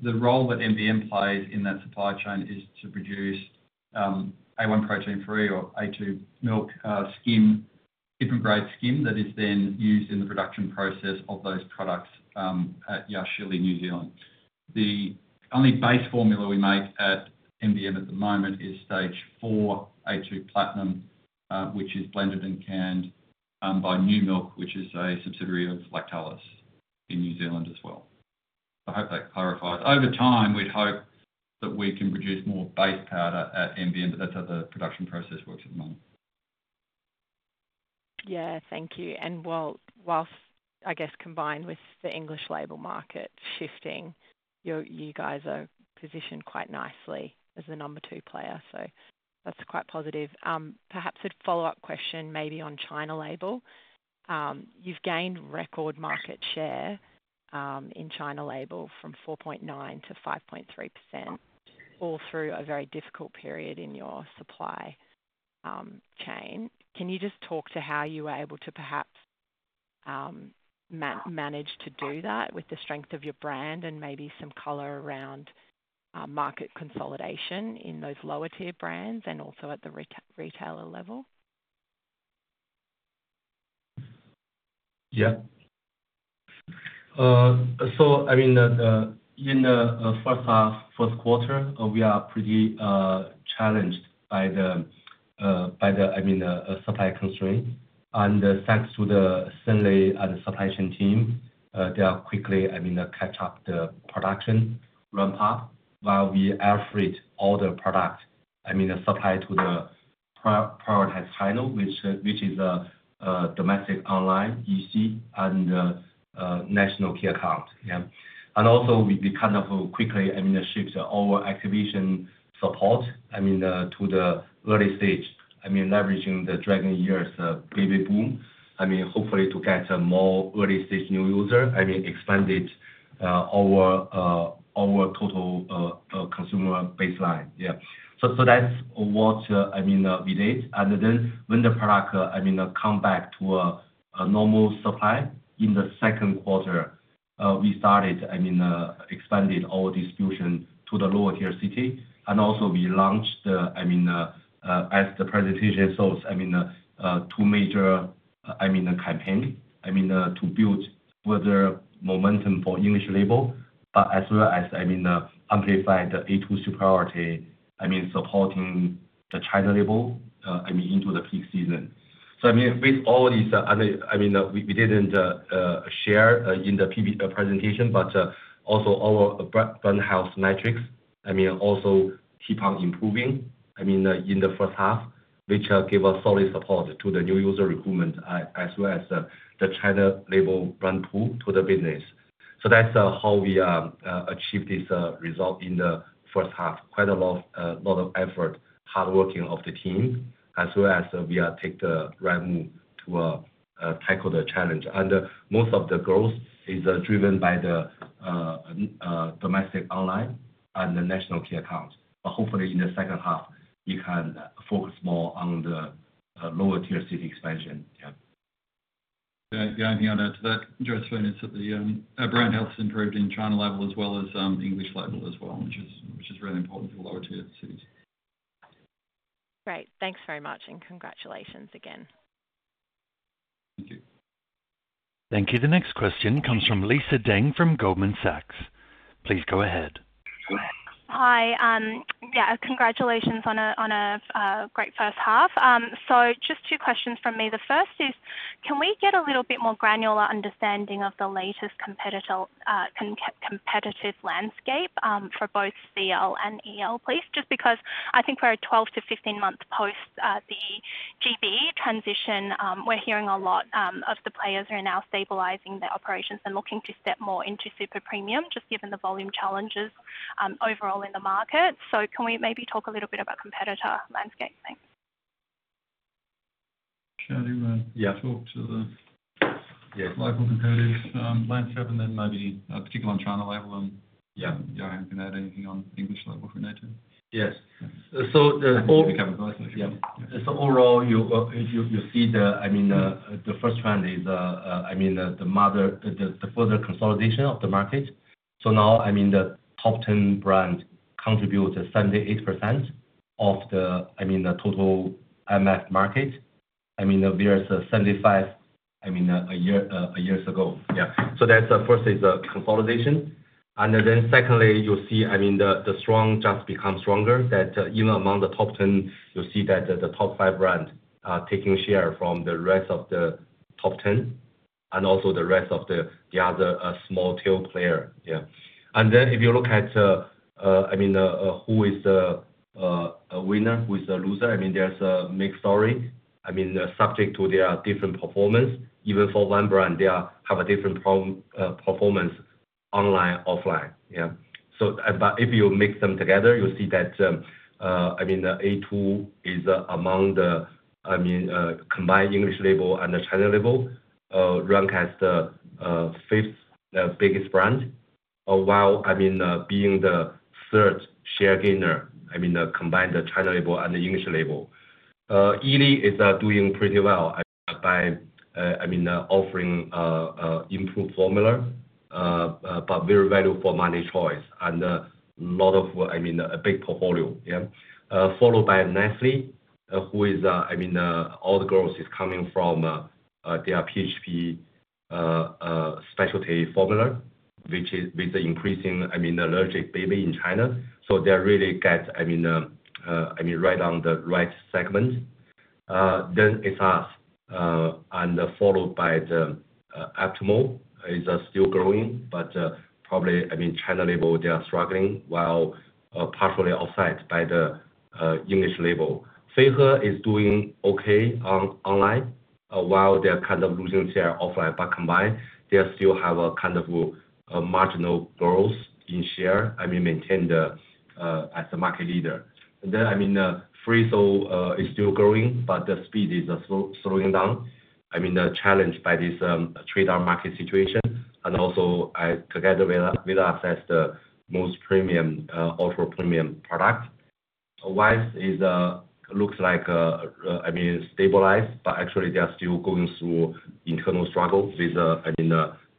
Speaker 1: The role that MVM plays in that supply chain is to produce A1 protein-free or A2 milk skim, different-grade skim that is then used in the production process of those products at Yashili, New Zealand. The only base formula we make at MVM at the moment is Stage 4 a2 Platinum, which is blended and canned by New Milk, which is a subsidiary of Lactalis in New Zealand as well. I hope that clarifies. Over time, we'd hope that we can produce more base powder at MVM, but that's how the production process works at the moment.
Speaker 12: Yeah. Thank you. While, I guess, combined with the English Label market shifting, you guys are positioned quite nicely as the number two player. So that's quite positive. Perhaps a follow-up question maybe on China Label. You've gained record market share in China Label from 4.9% to 5.3% all through a very difficult period in your supply chain. Can you just talk to how you were able to perhaps manage to do that with the strength of your brand and maybe some color around market consolidation in those lower-tier brands and also at the retailer level?
Speaker 3: Yeah. So I mean, in the first half, first quarter, we are pretty challenged by the, I mean, supply constraint, and thanks to the Shirley and the supply chain team, they are quickly, I mean, catch up the production ramp-up while we airfreight all the product, I mean, supply to the prioritized channel, which is a domestic online EC and national key account. Yeah. Also, we kind of quickly, I mean, shift our activation support, I mean, to the early stage, I mean, leveraging the Dragon Year, baby boom, I mean, hopefully to get more early-stage new user, I mean, expanded our total consumer baseline. Yeah. So that's what, I mean, we did. Then when the product, I mean, come back to a normal supply in the second quarter, we started, I mean, expanded our distribution to the lower-tier city. Also, we launched, I mean, as the presentation shows, I mean, two major, I mean, campaigns, I mean, to build further momentum for English Label, but as well as, I mean, amplify the a2 superiority, I mean, supporting the China Label, I mean, into the peak season. So I mean, with all these, I mean, we didn't share in the presentation, but also our brand health metrics, I mean, also keep on improving, I mean, in the first half, which gave us solid support to the new user recruitment as well as the China Label brand pull to the business. So that's how we achieved this result in the first half. Quite a lot of effort, hard work of the team, as well as we take the right move to tackle the challenge and most of the growth is driven by the domestic online and the national key accounts. But hopefully, in the second half, we can focus more on the lower-tier city expansion. Yeah.
Speaker 1: Yeah. Anything on that? Josephine, it's that the brand health has improved in China Label as well as English Label as well, which is really important for lower-tier cities.
Speaker 2: Great. Thanks very much, and congratulations again.
Speaker 1: Thank you.
Speaker 6: Thank you. The next question comes from Lisa Deng from Goldman Sachs. Please go ahead.
Speaker 13: Hi. Yeah. Congratulations on a great first half. So just two questions from me. The first is, can we get a little bit more granular understanding of the latest competitive landscape for both CL and EL, please? Just because I think we're at 12 to 15 months post the GB transition. We're hearing a lot of the players are now stabilizing their operations and looking to step more into super premium just given the volume challenges overall in the market. So can we maybe talk a little bit about competitor landscape? Thanks.
Speaker 1: Xiao, talk to the local competitive landscape and then maybe particularly on China Label. Yohan, can add anything on English Label if we need to?
Speaker 3: Yes. So we covered both, actually. Yeah. So overall, you see the, I mean, the first trend is, I mean, the further consolidation of the market. So now, I mean, the top 10 brands contribute 78% of the, I mean, the total IMF market, I mean, versus 75%, I mean, a year ago. Yeah. So that's first is consolidation. Then secondly, you'll see, I mean, the strong just become stronger that even among the top 10, you'll see that the top five brands are taking share from the rest of the top 10 and also the rest of the other small tail players. Yeah. Then if you look at, I mean, who is the winner, who is the loser, I mean, there's a mixed story. I mean, subject to their different performance, even for one brand, they have a different performance online, offline. Yeah. But if you mix them together, you'll see that, I mean, a2 is among the, I mean, combined English Label and the China Label, ranked as the fifth biggest brand, while, I mean, being the third share gainer, I mean, combined the China Label and the English Label. Yili is doing pretty well by, I mean, offering improved formula, but very value for money choice and a lot of, I mean, a big portfolio. Yeah. Followed by Nestlé, who is, I mean, all the growth is coming from their PHP specialty formula, which is with the increasing, I mean, allergic baby in China. So they really get, I mean, right on the right segment. Then it's us, and followed by the Aptamil is still growing, but probably, I mean, China Label, they are struggling while partially offset by the English Label. Feihe is doing okay online, while they're kind of losing share offline, but combined, they still have a kind of marginal growth in share, I mean, maintained as a market leader. Then, I mean, Friso is still growing, but the speed is slowing down, I mean, challenged by this trade-off market situation and also, together with us as the most premium, ultra-premium product. Yili looks like, I mean, stabilized, but actually, they are still going through internal struggles with, I mean,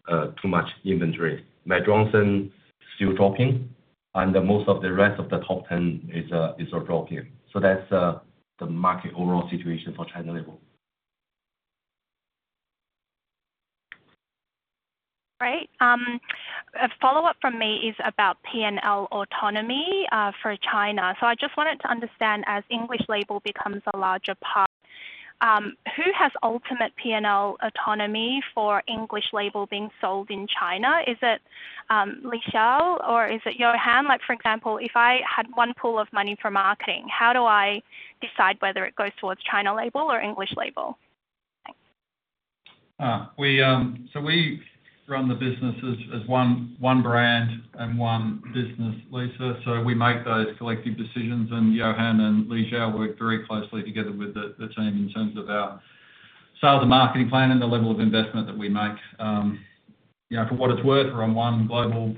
Speaker 3: too much inventory. Mead Johnson is still dropping, and most of the rest of the top 10 is dropping. So that's the market overall situation for China Label.
Speaker 13: Great. A follow-up from me is about P&L autonomy for China. So I just wanted to understand, as English Label becomes a larger part, who has ultimate P&L autonomy for English Label being sold in China? Is it Li Xiao or is it Yohan? For example, if I had one pool of money for marketing, how do I decide whether it goes towards China Label or English Label? Thanks.
Speaker 1: So we run the business as one brand and one business, Lisa. So we make those collective decisions, and Yohan and Li Xiao work very closely together with the team in terms of our sales and marketing plan and the level of investment that we make. Yeah. For what it's worth, we're on one global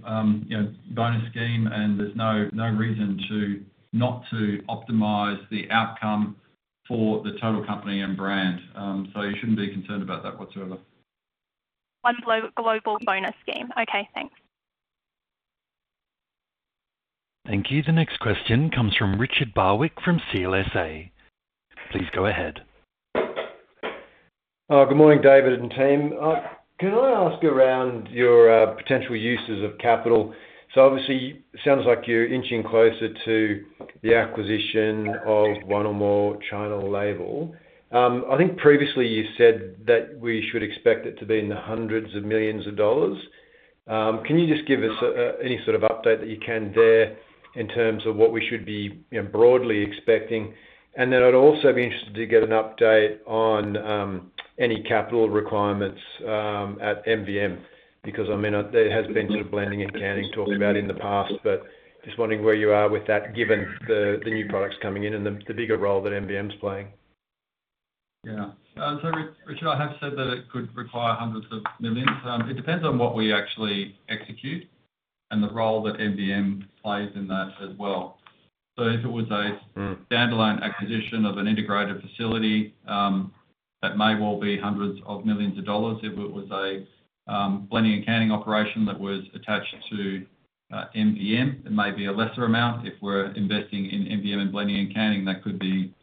Speaker 1: bonus scheme, and there's no reason not to optimize the outcome for the total company and brand. So you shouldn't be concerned about that whatsoever.
Speaker 13: One global bonus scheme. Okay. Thanks.
Speaker 6: Thank you. The next question comes from Richard Barwick from CLSA. Please go ahead.
Speaker 14: Good morning, David and team. Can I ask about your potential uses of capital? So obviously, it sounds like you're inching closer to the acquisition of one or more China Label. I think previously you said that we should expect it to be in the hundreds of millions of dollars. Can you just give us any sort of update that you can there in terms of what we should be broadly expecting? Then I'd also be interested to get an update on any capital requirements at MVM because, I mean, there has been sort of blending and canning talked about in the past, but just wondering where you are with that given the new products coming in and the bigger role that MVM's playing.
Speaker 1: Yeah. So Richard, I have said that it could require hundreds of millions. It depends on what we actually execute and the role that MVM plays in that as well. So if it was a standalone acquisition of an integrated facility, that may well be hundreds of millions of dollars. If it was a blending and canning operation that was attached to MVM, it may be a lesser amount. If we're investing in MVM and blending and canning, that could be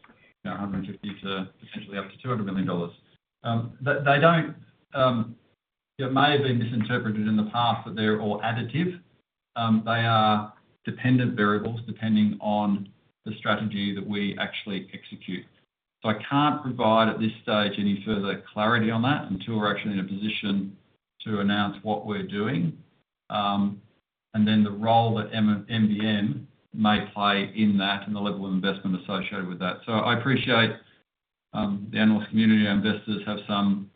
Speaker 1: 150 to potentially up to 200 million dollars. They may have been misinterpreted in the past that they're all additive. They are dependent variables depending on the strategy that we actually execute. So I can't provide at this stage any further clarity on that until we're actually in a position to announce what we're doing and then the role that MVM may play in that and the level of investment associated with that. So I appreciate the analyst community and investors have some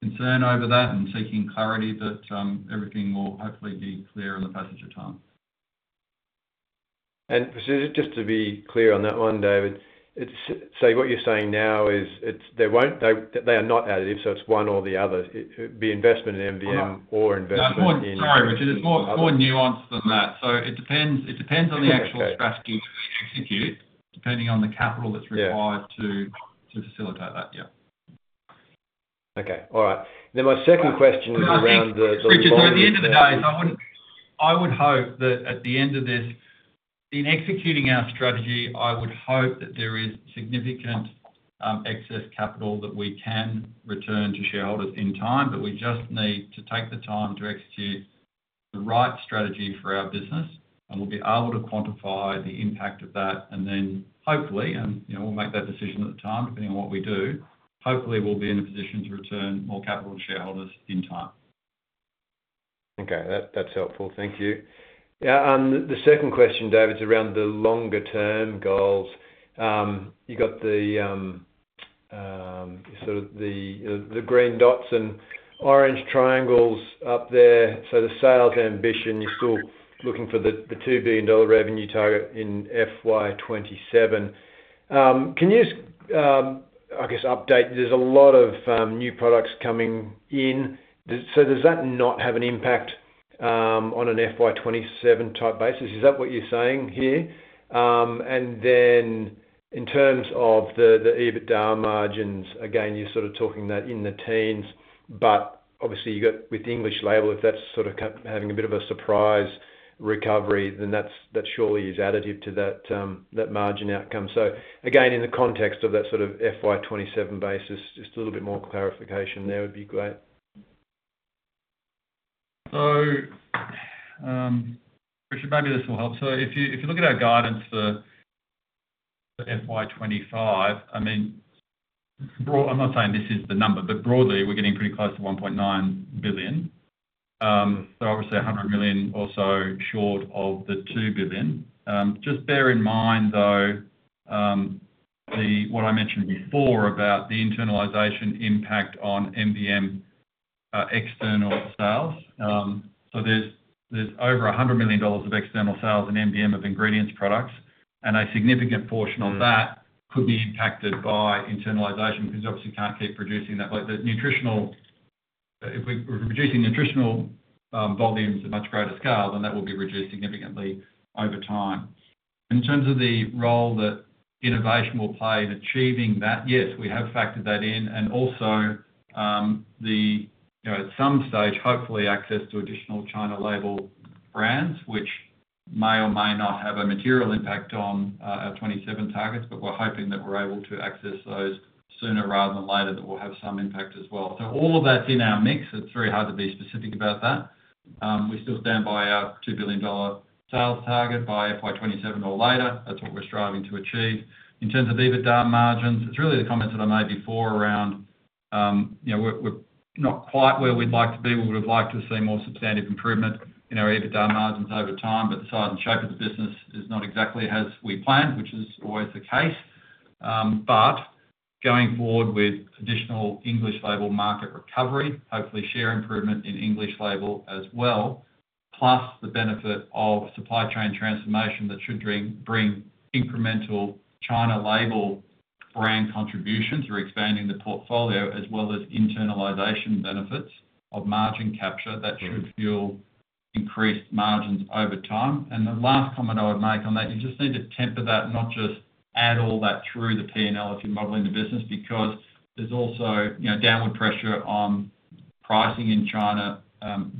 Speaker 1: concern over that and seeking clarity, but everything will hopefully be clear in the passage of time.
Speaker 14: Just to be clear on that one, David, so what you're saying now is they are not additive, so it's one or the other. It'd be investment in MVM or investment in
Speaker 1: No, sorry, Richard. It's more nuanced than that. So it depends on the actual strategy that we execute depending on the capital that's required to facilitate that. Yeah.
Speaker 14: Okay. All right. Then my second question is around the-
Speaker 1: Richard, we're at the end of the day, so I would hope that at the end of this, in executing our strategy, I would hope that there is significant excess capital that we can return to shareholders in time, but we just need to take the time to execute the right strategy for our business, and we'll be able to quantify the impact of that, and then hopefully, and we'll make that decision at the time depending on what we do, hopefully we'll be in a position to return more capital to shareholders in time.
Speaker 14: Okay. That's helpful. Thank you. Yeah. The second question, David, is around the longer-term goals. You've got sort of the green dots and orange triangles up there. So the sales ambition, you're still looking for the 2 billion dollar revenue target in FY 2027. Can you, I guess, update? There's a lot of new products coming in. So does that not have an impact on an FY 2027 type basis? Is that what you're saying here? Then in terms of the EBITDA margins, again, you're sort of talking that in the teens, but obviously, with English Label, if that's sort of having a bit of a surprise recovery, then that surely is additive to that margin outcome. So again, in the context of that sort of FY 2027 basis, just a little bit more clarification there would be great.
Speaker 1: So Richard, maybe this will help. So if you look at our guidance for FY 2025, I mean, I'm not saying this is the number, but broadly, we're getting pretty close to 1.9 billion. So obviously, 100 million or so short of the 2 billion. Just bear in mind, though, what I mentioned before about the internalization impact on MVM external sales. So there's over 100 million dollars of external sales in MVM of ingredients products, and a significant portion of that could be impacted by internalization because you obviously can't keep producing that. If we're reducing nutritional volumes at much greater scale, then that will be reduced significantly over time. In terms of the role that innovation will play in achieving that, yes, we have factored that in and also, at some stage, hopefully, access to additional China Label brands, which may or may not have a material impact on our 2027 targets, but we're hoping that we're able to access those sooner rather than later, that will have some impact as well. So all of that's in our mix. It's very hard to be specific about that. We still stand by our 2 billion dollar sales target by FY 2027 or later. That's what we're striving to achieve. In terms of EBITDA margins, it's really the comments that I made before around we're not quite where we'd like to be. We would have liked to see more substantive improvement in our EBITDA margins over time, but the size and shape of the business is not exactly as we planned, which is always the case. But going forward with additional English Label market recovery, hopefully, share improvement in English Label as well, plus the benefit of supply chain transformation that should bring incremental China Label brand contributions through expanding the portfolio as well as internalization benefits of margin capture that should fuel increased margins over time. The last comment I would make on that, you just need to temper that, not just add all that through the P&L if you're modeling the business, because there's also downward pressure on pricing in China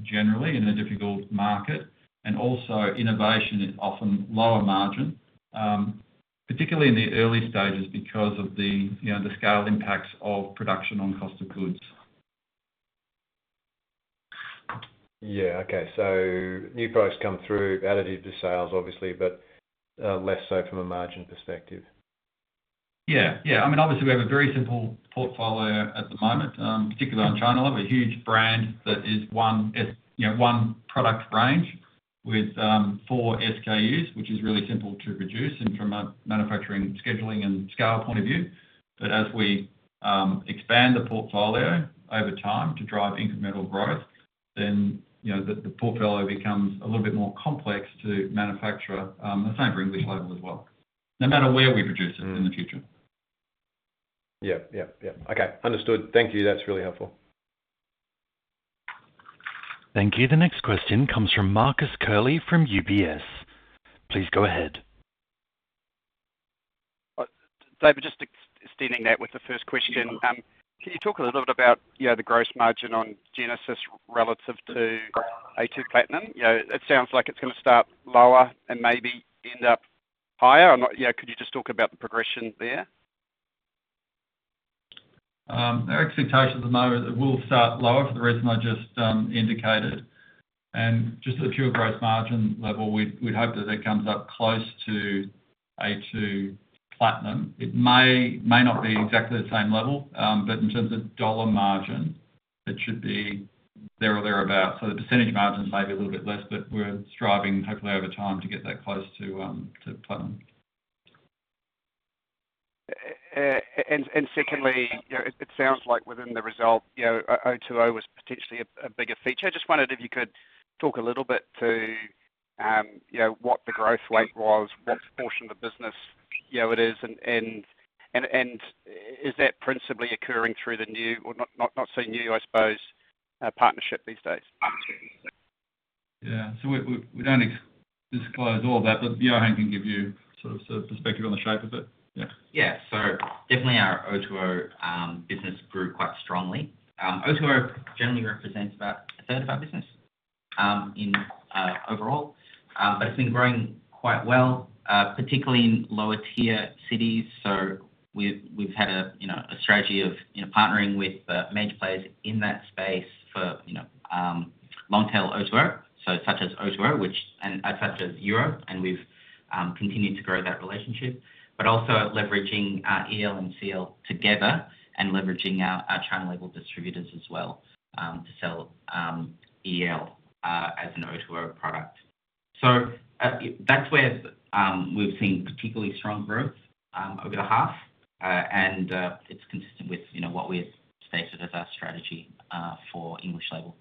Speaker 1: generally in a difficult market. Also, innovation is often lower margin, particularly in the early stages because of the scale impacts of production on cost of goods.
Speaker 14: Yeah. Okay, so new products come through additively to sales, obviously, but less so from a margin perspective.
Speaker 1: Yeah. Yeah. I mean, obviously, we have a very simple portfolio at the moment, particularly on China. We have a huge brand that is one product range with four SKUs, which is really simple to produce from a manufacturing scheduling and scale point of view. But as we expand the portfolio over time to drive incremental growth, the portfolio becomes a little bit more complex to manufacture, the same for English Label as well, no matter where we produce it in the future.
Speaker 14: Yeah. Yeah. Yeah. Okay. Understood. Thank you. That's really helpful.
Speaker 6: Thank you. The next question comes from Marcus Curley from UBS. Please go ahead.
Speaker 15: David, just extending that with the first question. Can you talk a little bit about the gross margin on Genesis relative to a2 Platinum? It sounds like it's going to start lower and maybe end up higher. Could you just talk about the progression there?
Speaker 1: Our expectations at the moment will start lower for the reason I just indicated and just at the pure gross margin level, we'd hope that it comes up close to a2 Platinum. It may not be exactly the same level, but in terms of dollar margin, it should be there or thereabout. So the percentage margin may be a little bit less, but we're striving, hopefully, over time to get that close to Platinum.
Speaker 15: Secondly, it sounds like within the result, O2O was potentially a bigger feature. I just wondered if you could talk a little bit to what the growth rate was, what portion of the business it is, and is that principally occurring through the new or not so new, I suppose, partnership these days?
Speaker 1: Yeah. So we don't disclose all of that, but Yohan can give you sort of the perspective on the shape of it. Yeah.
Speaker 4: Yeah. So definitely, our O2O business grew quite strongly. O2O generally represents about a third of our business overall, but it's been growing quite well, particularly in lower-tier cities. So we've had a strategy of partnering with major players in that space for long-tail O2O, such as O2O and such as Yu'ou, and we've continued to grow that relationship. But also leveraging EL and CL together and leveraging our China Label distributors as well to sell EL as an O2O product. So that's where we've seen particularly strong growth over the half, and it's consistent with what we've stated as our strategy for English Label.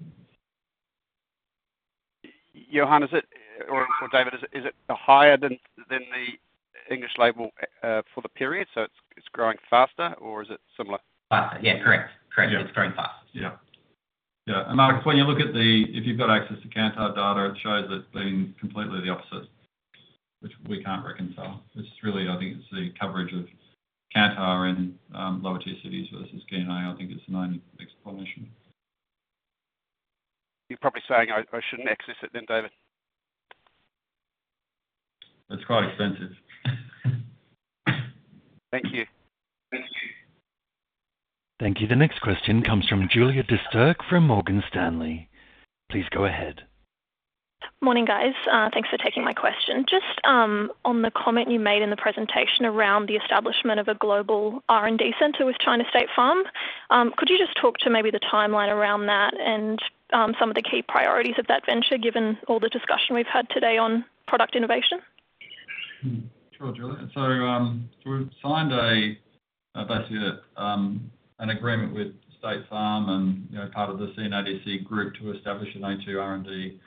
Speaker 15: Yohan, or David, is it higher than the English Label for the period? So it's growing faster, or is it similar?
Speaker 4: Faster. Yeah. Correct. Correct. It's growing faster.
Speaker 1: Yeah. Yeah. Marcus, when you look at the if you've got access to Kantar data, it shows that it's been completely the opposite, which we can't reconcile. It's really, I think, it's the coverage of Kantar in lower-tier cities versus KA. I think it's a 90% explanation.
Speaker 15: You're probably saying I shouldn't access it then, David.
Speaker 1: It's quite expensive.
Speaker 15: Thank you.
Speaker 1: Thank you.
Speaker 6: Thank you. The next question comes from Julia de Sterke from Morgan Stanley. Please go ahead.
Speaker 16: Morning, guys. Thanks for taking my question. Just on the comment you made in the presentation around the establishment of a global R&D center with China State Farm, could you just talk to maybe the timeline around that and some of the key priorities of that venture given all the discussion we've had today on product innovation?
Speaker 1: Sure, Julia. So we've signed basically an agreement with China State Farm and part of the CNADC group to establish an a2 R&D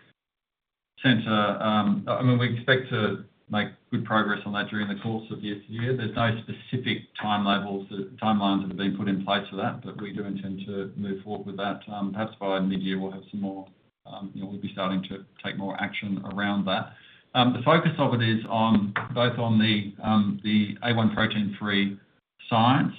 Speaker 1: center. I mean, we expect to make good progress on that during the course of year to year. There's no specific timelines that have been put in place for that, but we do intend to move forward with that. Perhaps by mid-year, we'll have some more; we'll be starting to take more action around that. The focus of it is both on the A1 protein-free science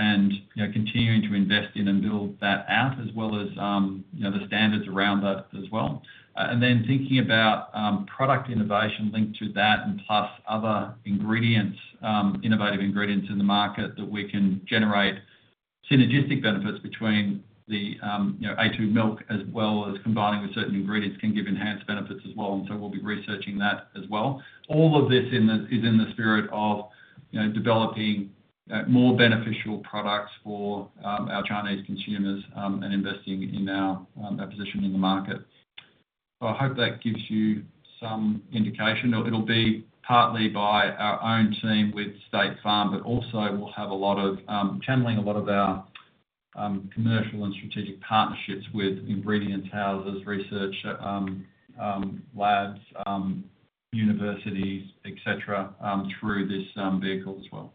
Speaker 1: and continuing to invest in and build that out as well as the standards around that as well. Then thinking about product innovation linked to that and plus other innovative ingredients in the market that we can generate synergistic benefits between the a2 Milk as well as combining with certain ingredients can give enhanced benefits as well. We'll be researching that as well. All of this is in the spirit of developing more beneficial products for our Chinese consumers and investing in our position in the market. I hope that gives you some indication. It'll be partly by our own team with State Farm, but also we'll have a lot of channeling our commercial and strategic partnerships with ingredients houses, research labs, universities, etc., through this vehicle as well.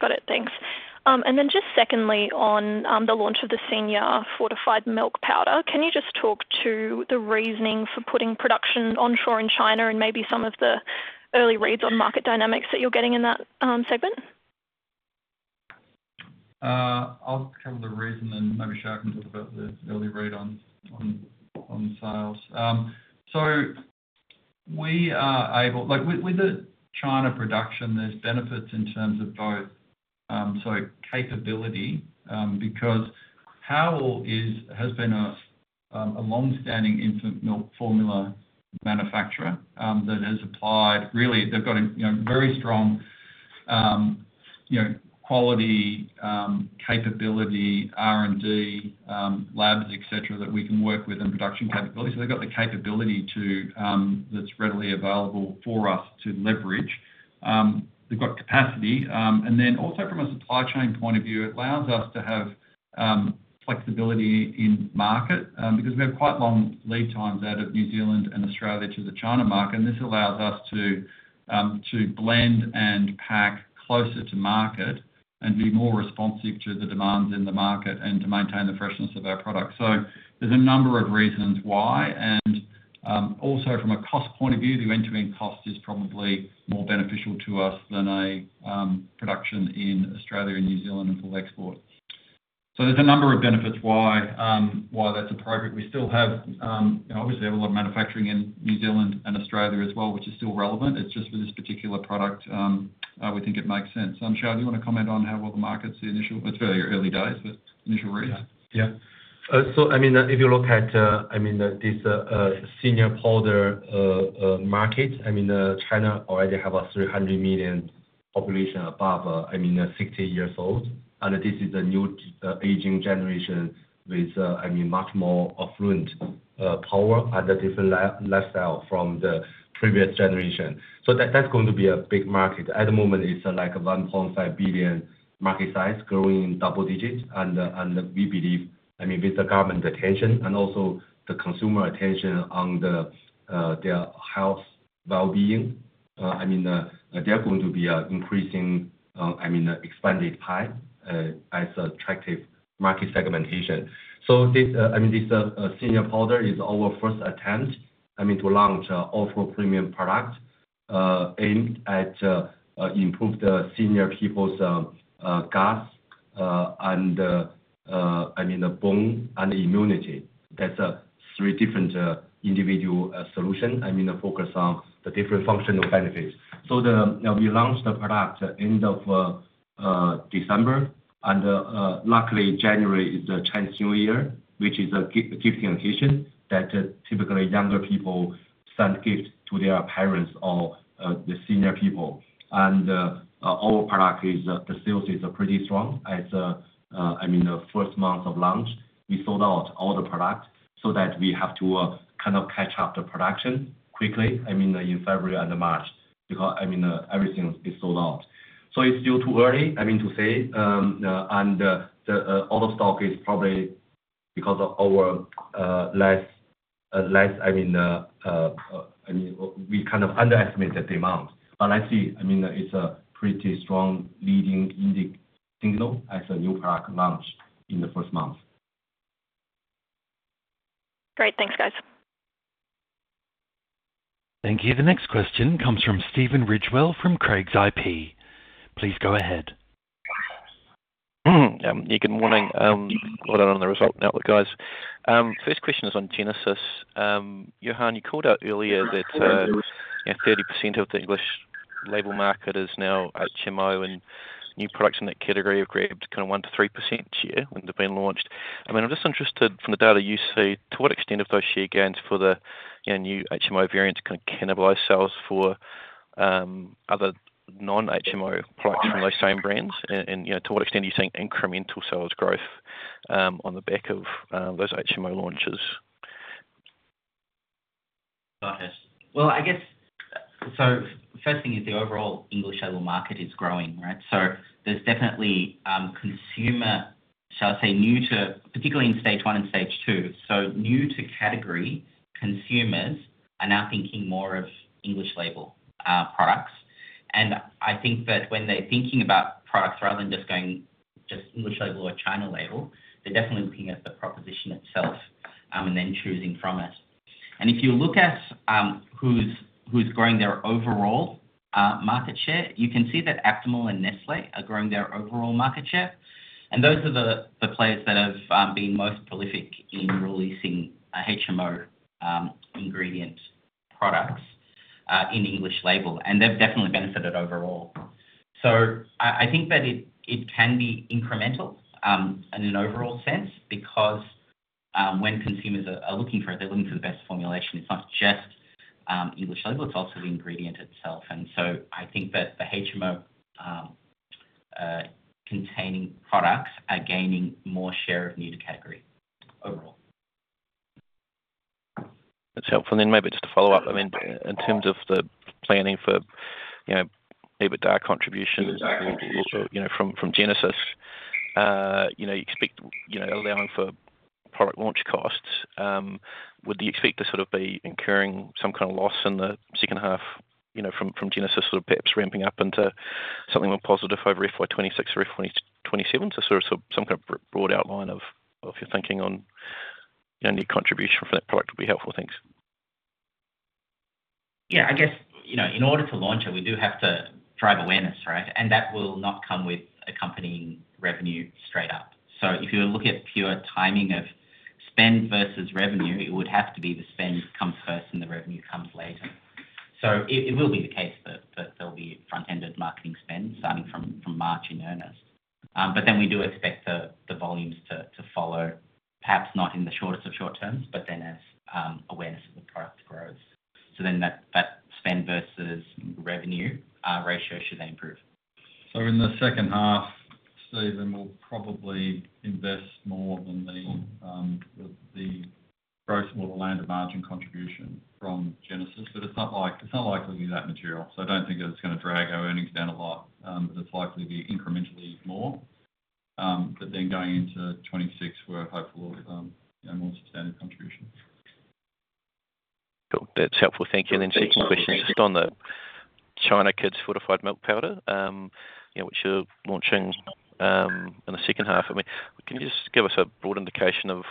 Speaker 16: Got it. Thanks. Then just secondly, on the launch of the senior fortified milk powder, can you just talk to the reasoning for putting production onshore in China and maybe some of the early reads on market dynamics that you're getting in that segment?
Speaker 1: I'll cover the reason and maybe Shareef can talk about the early read on sales, so we are able with the China production, there's benefits in terms of both, so capability, because Hulunbuir has been a long-standing infant milk formula manufacturer that has a really strong quality capability, R&D, labs, etc., that we can work with in production capability, so they've got the capability that's readily available for us to leverage. They've got capacity. Then also from a supply chain point of view, it allows us to have flexibility in market because we have quite long lead times out of New Zealand and Australia to the China market and this allows us to blend and pack closer to market and be more responsive to the demands in the market and to maintain the freshness of our product, so there's a number of reasons why. Also from a cost point of view, the way to increase cost is probably more beneficial to us than production in Australia and New Zealand and full export. So there's a number of benefits why that's appropriate. We still have, obviously, a lot of manufacturing in New Zealand and Australia as well, which is still relevant. It's just for this particular product, we think it makes sense. Xiao, do you want to comment on how well the market's initial, it's very early days, but initial reads?
Speaker 3: Yeah. I mean, if you look at this senior powder market, I mean, China already has a 300 million population above 60 years old. This is a new aging generation with much more purchasing power and a different lifestyle from the previous generation. That is going to be a big market. At the moment, it is like a 1.5 billion market size growing in double digits. We believe, with the government attention and also the consumer attention on their health well-being, they are going to be increasingly expanded highly attractive market segmentation. This senior powder is our first attempt to launch an a2 premium product aimed at improving the senior people's guts and the bone and immunity. That's three different individual solutions, I mean, focused on the different functional benefits. So we launched the product at the end of December and luckily, January is the Chinese New Year, which is a gifting occasion that typically younger people send gifts to their parents or the senior people and our product sales, it's pretty strong. I mean, the first month of launch, we sold out all the product so that we have to kind of catch up the production quickly, I mean, in February and March because, I mean, everything is sold out. So it's still too early, I mean, to say. The out of stock is probably because of our less, I mean, we kind of underestimate the demand. But I see, I mean, it's a pretty strong leading signal as a new product launch in the first month.
Speaker 16: Great. Thanks, guys.
Speaker 6: Thank you. The next question comes from Stephen Ridgewell from Craigs IP. Please go ahead.
Speaker 17: Yeah. Yeah. Good morning. Congrats on the result now, guys. First question is on Genesis. Yohan, you called out earlier that 30% of the English Label market is now HMO, and new products in that category have grabbed kind of 1% to 3% share when they've been launched. I mean, I'm just interested from the data you see, to what extent have those share gains for the new HMO variants kind of cannibalized sales for other non-HMO products from those same brands and to what extent do you think incremental sales growth on the back of those HMO launches?
Speaker 4: Well, I guess so first thing is the overall English Label market is growing, right? So there's definitely consumer, shall I say, new to particularly in Stage 1 and Stage 2. So new to category consumers are now thinking more of English Label products. I think that when they're thinking about products rather than just going just English Label or China Label, they're definitely looking at the proposition itself and then choosing from it. If you look at who's growing their overall market share, you can see that Aptamil and Nestlé are growing their overall market share. Those are the players that have been most prolific in releasing HMO ingredient products in English Label and they've definitely benefited overall. So I think that it can be incremental in an overall sense because when consumers are looking for it, they're looking for the best formulation. It's not just English Label. It's also the ingredient itself. So I think that the HMO-containing products are gaining more share of new to category overall.
Speaker 17: That's helpful. Then maybe just to follow up, I mean, in terms of the planning for EBITDA contributions also from Genesis, you expect allowing for product launch costs. Would you expect to sort of be incurring some kind of loss in the second half from Genesis sort of perhaps ramping up into something more positive over FY 2026 or FY 2027? So sort of some kind of broad outline of if you're thinking on new contribution for that product would be helpful. Thanks.
Speaker 4: Yeah. I guess in order to launch it, we do have to drive awareness, right, and that will not come with accompanying revenue straight up. So if you look at pure timing of spend versus revenue, it would have to be the spend comes first and the revenue comes later. So it will be the case that there'll be front-ended marketing spend starting from March in earnest. But then we do expect the volumes to follow, perhaps not in the shortest of short terms, but then as awareness of the product grows. So then that spend versus revenue ratio should then improve.
Speaker 1: So in the second half, Stephen will probably invest more than the gross and the landed margin contribution from Genesis. But it's not likely to be that material. So I don't think it's going to drag our earnings down a lot, but it's likely to be incrementally more. But then going into 2026, we're hopeful of more substantive contributions.
Speaker 17: Cool. That's helpful. Thank you. Then second question just on the China kids fortified milk powder, which you're launching in the second half. I mean, can you just give us a broad indication of,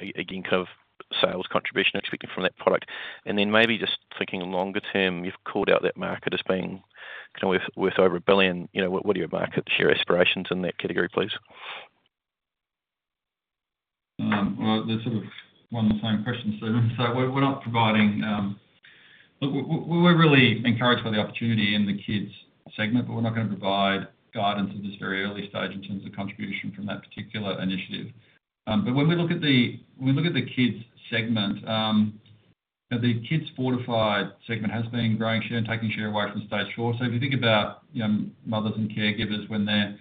Speaker 17: again, kind of sales contribution expected from that product? Then maybe just thinking longer term, you've called out that market as being kind of worth over a billion. What are your market share aspirations in that category, please?
Speaker 1: That's sort of one of the same questions, Stephen. So we're not providing; we're really encouraged by the opportunity in the kids segment, but we're not going to provide guidance at this very early stage in terms of contribution from that particular initiative. But when we look at the kids segment, the kids fortified segment has been growing share and taking share away from Stage 4. So if you think about mothers and caregivers when they're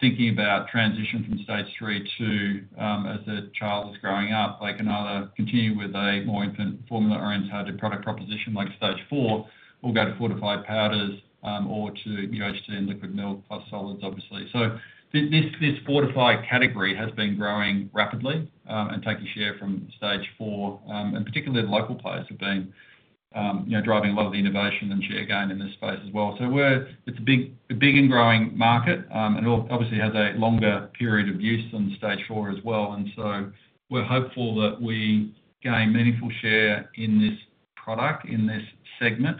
Speaker 1: thinking about transition from Stage 3 to as their child is growing up, they can either continue with a more infant formula-oriented product proposition like Stage 4 or go to fortified powders or to UHT and liquid milk plus solids, obviously. So this fortified category has been growing rapidly and taking share from Stage 4. Particularly, the local players have been driving a lot of the innovation and share gain in this space as well. It's a big and growing market, and it obviously has a longer period of use than Stage 4 as well. We're hopeful that we gain meaningful share in this product, in this segment,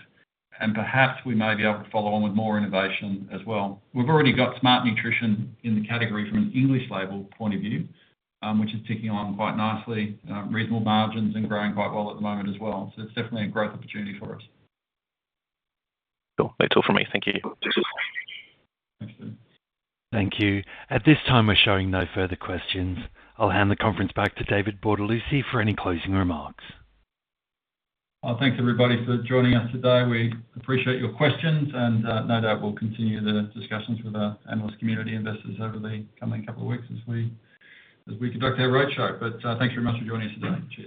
Speaker 1: and perhaps we may be able to follow on with more innovation as well. We've already got Smart Nutrition in the category from an English Label point of view, which is ticking on quite nicely, reasonable margins, and growing quite well at the moment as well. It's definitely a growth opportunity for us.
Speaker 17: Cool. That's all from me. Thank you.
Speaker 1: Thanks, Stephen.
Speaker 6: Thank you. At this time, we're showing no further questions. I'll hand the conference back to David Bortolussi for any closing remarks.
Speaker 1: Thanks, everybody, for joining us today. We appreciate your questions. No doubt, we'll continue the discussions with our analyst community and investors over the coming couple of weeks as we conduct our roadshow. Thanks very much for joining us today.